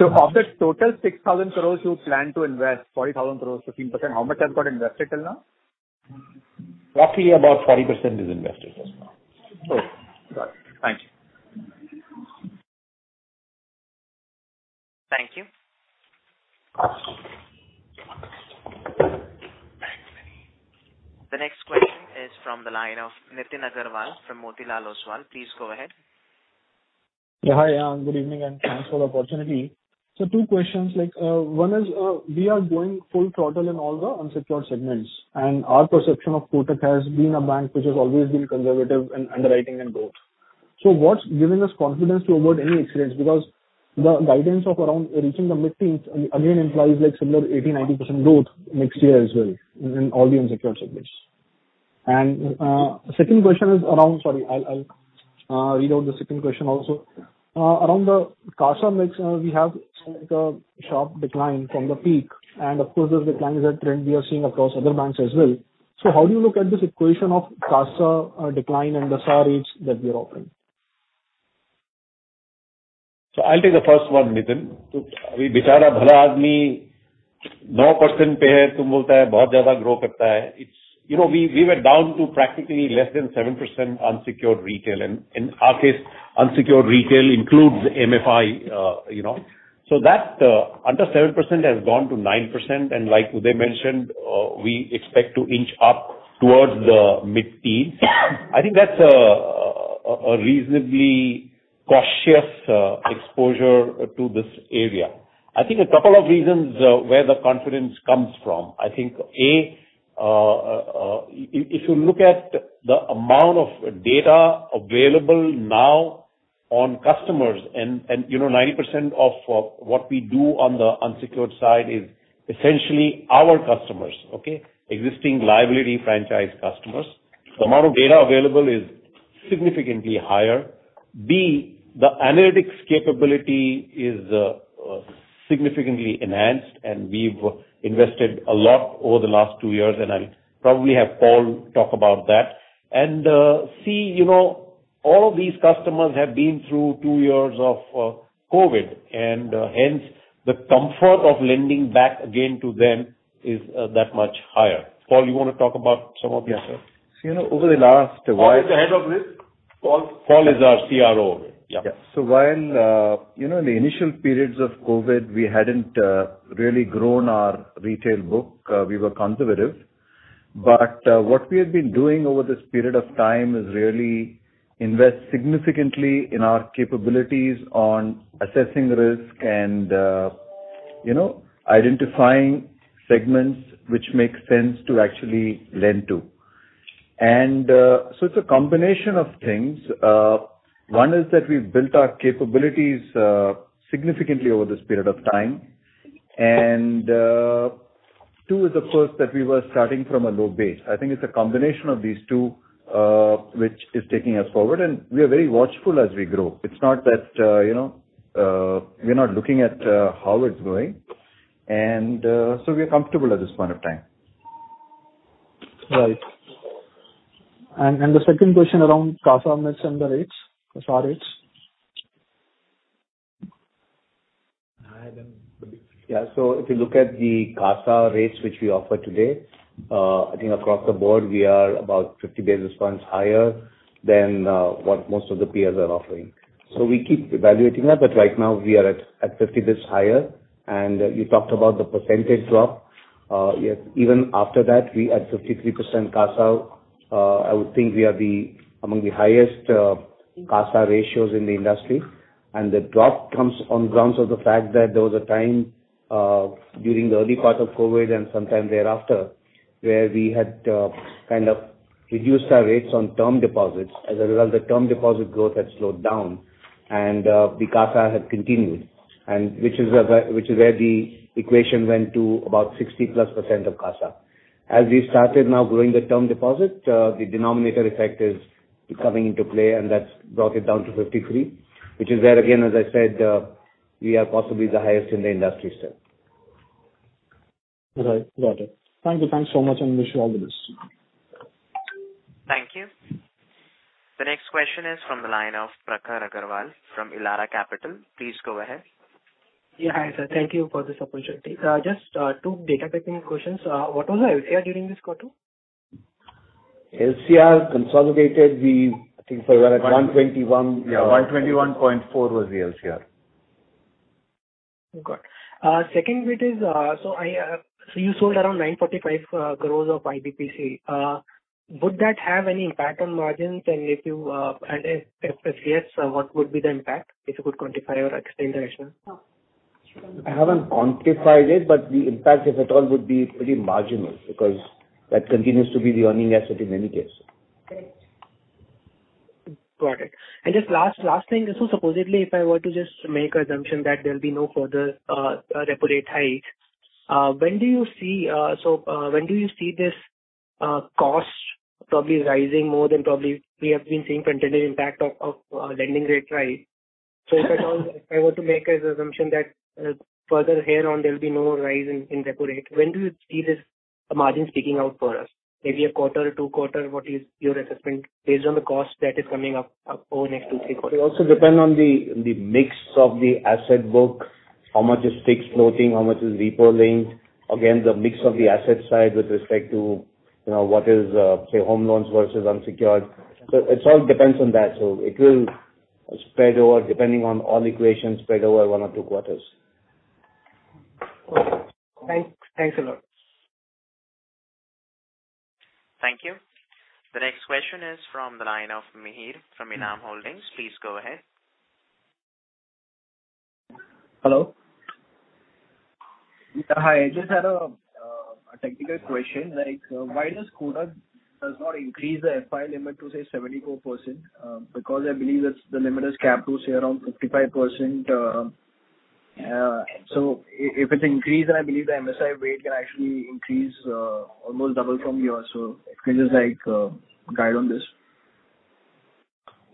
Of the total 6,000 crore you plan to invest, 40,000 crore, 15%, how much has got invested till now? Roughly about 40% is invested as now. Okay. Got it. Thank you. Thank you. The next question is from the line of Nitin Aggarwal from Motilal Oswal. Please go ahead. Yeah. Hi. good evening and thanks for the opportunity. Two questions. One is, we are going full throttle in all the unsecured segments, and our perception of Kotak has been a bank which has always been conservative in underwriting and growth. What's giving us confidence to avoid any accidents? Because the guidance of around reaching the mid-teens again implies like similar 80%-90% growth next year as well in all the unsecured segments. Second question is around... Sorry, I'll read out the second question also. Around the CASA mix, we have seen like a sharp decline from the peak, and of course this decline is a trend we are seeing across other banks as well. How do you look at this equation of CASA decline and the SAR rates that we are offering? I'll take the first one, Nitin Aggarwal. We were down to practically less than 7% unsecured retail. In our case, unsecured retail includes MFI, you know. That, under 7% has gone to 9%, and like Uday Kotak mentioned, we expect to inch up towards the mid-teens. I think that's a reasonably cautious exposure to this area. I think a couple of reasons where the confidence comes from. I think, A, if you look at the amount of data available now on customers and, you know, 90% of what we do on the unsecured side is essentially our customers. Okay? Existing liability franchise customers. The amount of data available is significantly higher. B, the analytics capability is significantly enhanced, and we've invested a lot over the last two years, and I'll probably have Paul talk about that. C, you know, all of these customers have been through two years of COVID and hence, the comfort of lending back again to them is that much higher. Paul, you wanna talk about some of these things? Yeah. You know, over the last. Paul is the head of this. Paul? Paul is our CRO. Yeah. Yeah. While, you know, in the initial periods of COVID, we hadn't really grown our retail book. We were conservative. What we have been doing over this period of time is really invest significantly in our capabilities on assessing risk and, you know, identifying segments which make sense to actually lend to. It's a combination of things. One is that we've built our capabilities significantly over this period of time. Two is, of course, that we were starting from a low base. I think it's a combination of these two, which is taking us forward, and we are very watchful as we grow. It's not that, you know, we're not looking at how it's growing and, so we are comfortable at this point of time. Right. The second question around CASA mix and the rates, CASA rates. If you look at the CASA rates which we offer today, I think across the board we are about 50 basis points higher than what most of the peers are offering. We keep evaluating that, but right now we are at 50 basis higher. You talked about the percentage drop. Yes, even after that, we at 53% CASA. I would think we are the, among the highest CASA ratios in the industry. The drop comes on grounds of the fact that there was a time during the early part of COVID and sometime thereafter, where we had kind of reduced our rates on term deposits. As a result, the term deposit growth had slowed down and the CASA had continued. Which is where the equation went to about 60%+ of CASA. As we started now growing the term deposit, the denominator effect is coming into play, and that's brought it down to 53%. Which is where, again, as I said, we are possibly the highest in the industry still. Right. Got it. Thank you. Thanks so much, and wish you all the best. Thank you. The next question is from the line of Prakhar Agrawal from Elara Capital. Please go ahead. Yeah. Hi, sir. Thank you for this opportunity. Just two data-picking questions. What was the LCR during this quarter? LCR consolidated, we, I think we were at 121%. Yeah, 121.4% was the LCR. Second bit is you sold around 945 crores of IBPC. Would that have any impact on margins? If you add a PSLCs, what would be the impact, if you could quantify or explain the rationale? I haven't quantified it, but the impact, if at all, would be pretty marginal because that continues to be the earning asset in any case. Got it. Just last thing. Supposedly, if I were to just make an assumption that there'll be no further repo rate hike, when do you see this cost probably rising more than probably we have been seeing from intended impact of lending rate rise? If at all, if I were to make an assumption that further here on, there'll be no more rise in repo rate, when do you see this margin sticking out for us? Maybe a quarter, two quarters? What is your assessment based on the cost that is coming up over next two-three quarters? It also depend on the mix of the asset book, how much is fixed floating, how much is repo linked. Again, the mix of the asset side with respect to, you know, what is, say, home loans versus unsecured. It all depends on that. It will spread over, depending on all equations, spread over one or two quarters. Okay. Thanks. Thanks a lot. Thank you. The next question is from the line of Mihir from Enam Holdings. Please go ahead. Hello. Hi. I just had a technical question. Why does Kotak not increase the FII limit to, say, 74%? I believe that's the limit is capped to, say, around 55%. If it's increased, then I believe the MSCI weight can actually increase almost double from here. Can you just, like, guide on this?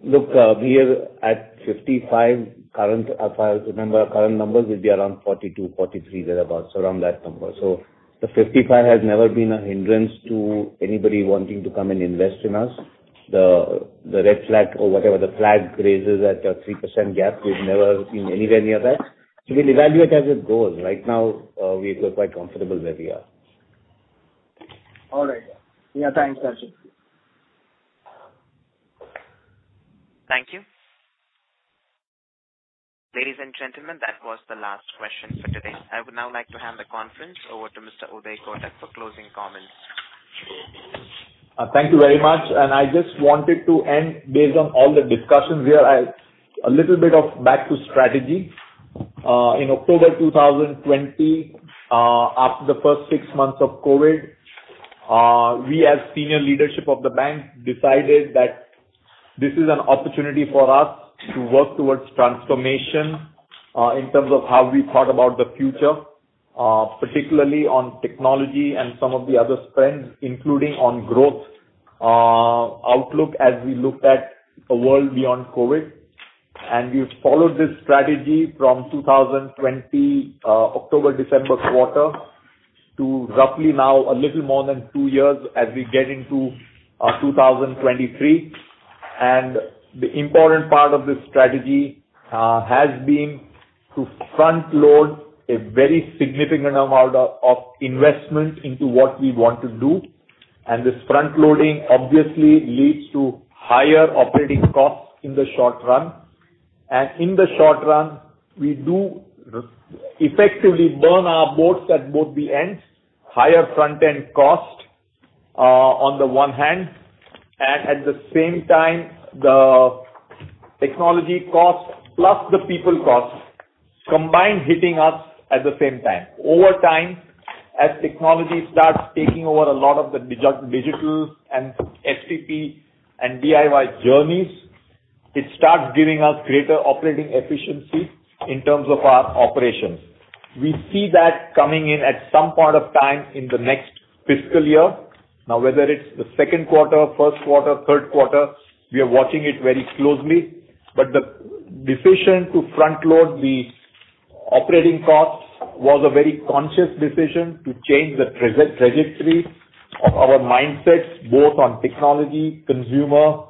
Look, we are at 55% current, if I remember. Current numbers will be around 42%, 43%, thereabout. Around that number. The 55 has never been a hindrance to anybody wanting to come and invest in us. The red flag or whatever the flag raises at a 3% gap, we've never been anywhere near that. We will evaluate as it goes. Right now, we feel quite comfortable where we are. All right. Yeah. Thanks, Jaimin. Thank you. Ladies and gentlemen, that was the last question for today. I would now like to hand the conference over to Mr. Uday Kotak for closing comments. Thank you very much. I just wanted to end based on all the discussions here. A little bit of back to strategy. In October 2020, after the first six months of COVID, we as senior leadership of the bank decided that this is an opportunity for us to work towards transformation, in terms of how we thought about the future, particularly on technology and some of the other spends, including on growth outlook as we looked at a world beyond COVID. We've followed this strategy from 2020 October-December quarter to roughly now a little more than two years as we get into 2023. The important part of this strategy has been to front load a very significant amount of investment into what we want to do. This front loading obviously leads to higher operating costs in the short run. In the short run, we do effectively burn our boats at both the ends. Higher front-end cost on the one hand, and at the same time, the technology costs plus the people costs combined hitting us at the same time. Over time, as technology starts taking over a lot of the digital and STP and DIY journeys, it starts giving us greater operating efficiency in terms of our operations. We see that coming in at some point of time in the next fiscal year. Whether it's the second quarter, first quarter, third quarter, we are watching it very closely. The decision to front load the operating costs was a very conscious decision to change the trajectory of our mindsets, both on technology, consumer,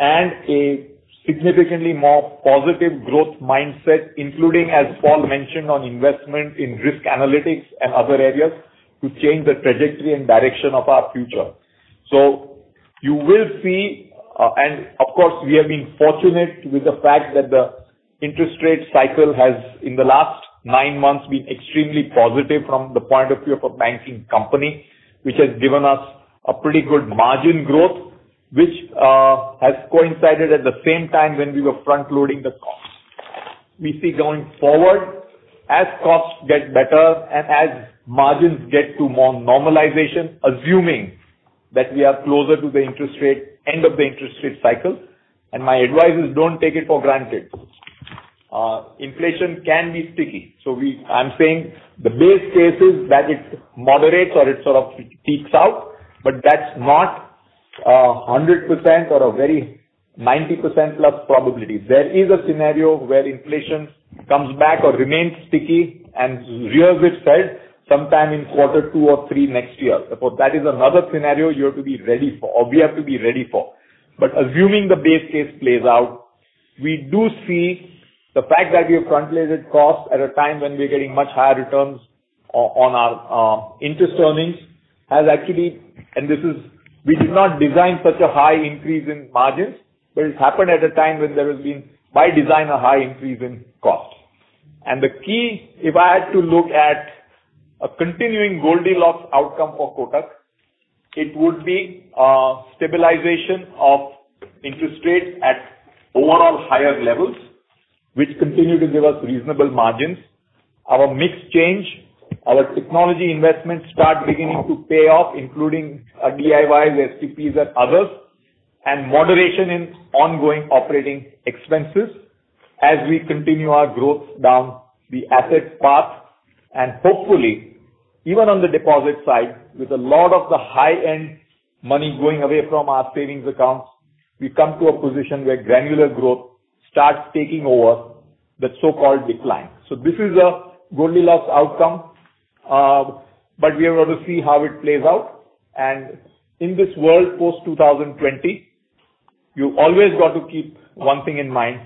and a significantly more positive growth mindset, including, as Paul mentioned, on investment in risk analytics and other areas to change the trajectory and direction of our future. You will see, and of course, we have been fortunate with the fact that the interest rate cycle has, in the last 9 months, been extremely positive from the point of view of a banking company, which has given us a pretty good margin growth, which has coincided at the same time when we were front-loading the costs. We see going forward, as costs get better and as margins get to more normalization, assuming that we are closer to the interest rate, end of the interest rate cycle, and my advice is don't take it for granted. Inflation can be sticky. We... I'm saying the base case is that it moderates or it sort of peaks out, but that's not, 100% or a very 90%+ probability. There is a scenario where inflation comes back or remains sticky and rears its head sometime in Q2 or Q3 next year. That is another scenario you have to be ready for or we have to be ready for. Assuming the base case plays out, we do see the fact that we have front-loaded costs at a time when we're getting much higher returns on our interest earnings has actually, and this is, we did not design such a high increase in margins, it's happened at a time when there has been, by design, a high increase in costs. The key, if I had to look at a continuing Goldilocks outcome for Kotak, it would be stabilization of interest rates at or on higher levels, which continue to give us reasonable margins. Our mix change, our technology investments start beginning to pay off, including DIY, STPs and others, and moderation in ongoing operating expenses as we continue our growth down the asset path. Hopefully, even on the deposit side, with a lot of the high-end money going away from our savings accounts, we come to a position where granular growth starts taking over the so-called decline. This is a Goldilocks outcome, we are going to see how it plays out. In this world, post 2020, you always got to keep one thing in mind.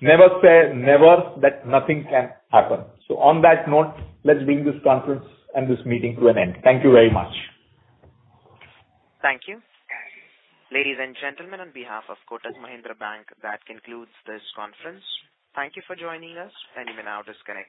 Never say never that nothing can happen. On that note, let's bring this conference and this meeting to an end. Thank you very much. Thank you. Ladies and gentlemen, on behalf of Kotak Mahindra Bank, that concludes this conference. Thank you for joining us. You may now disconnect.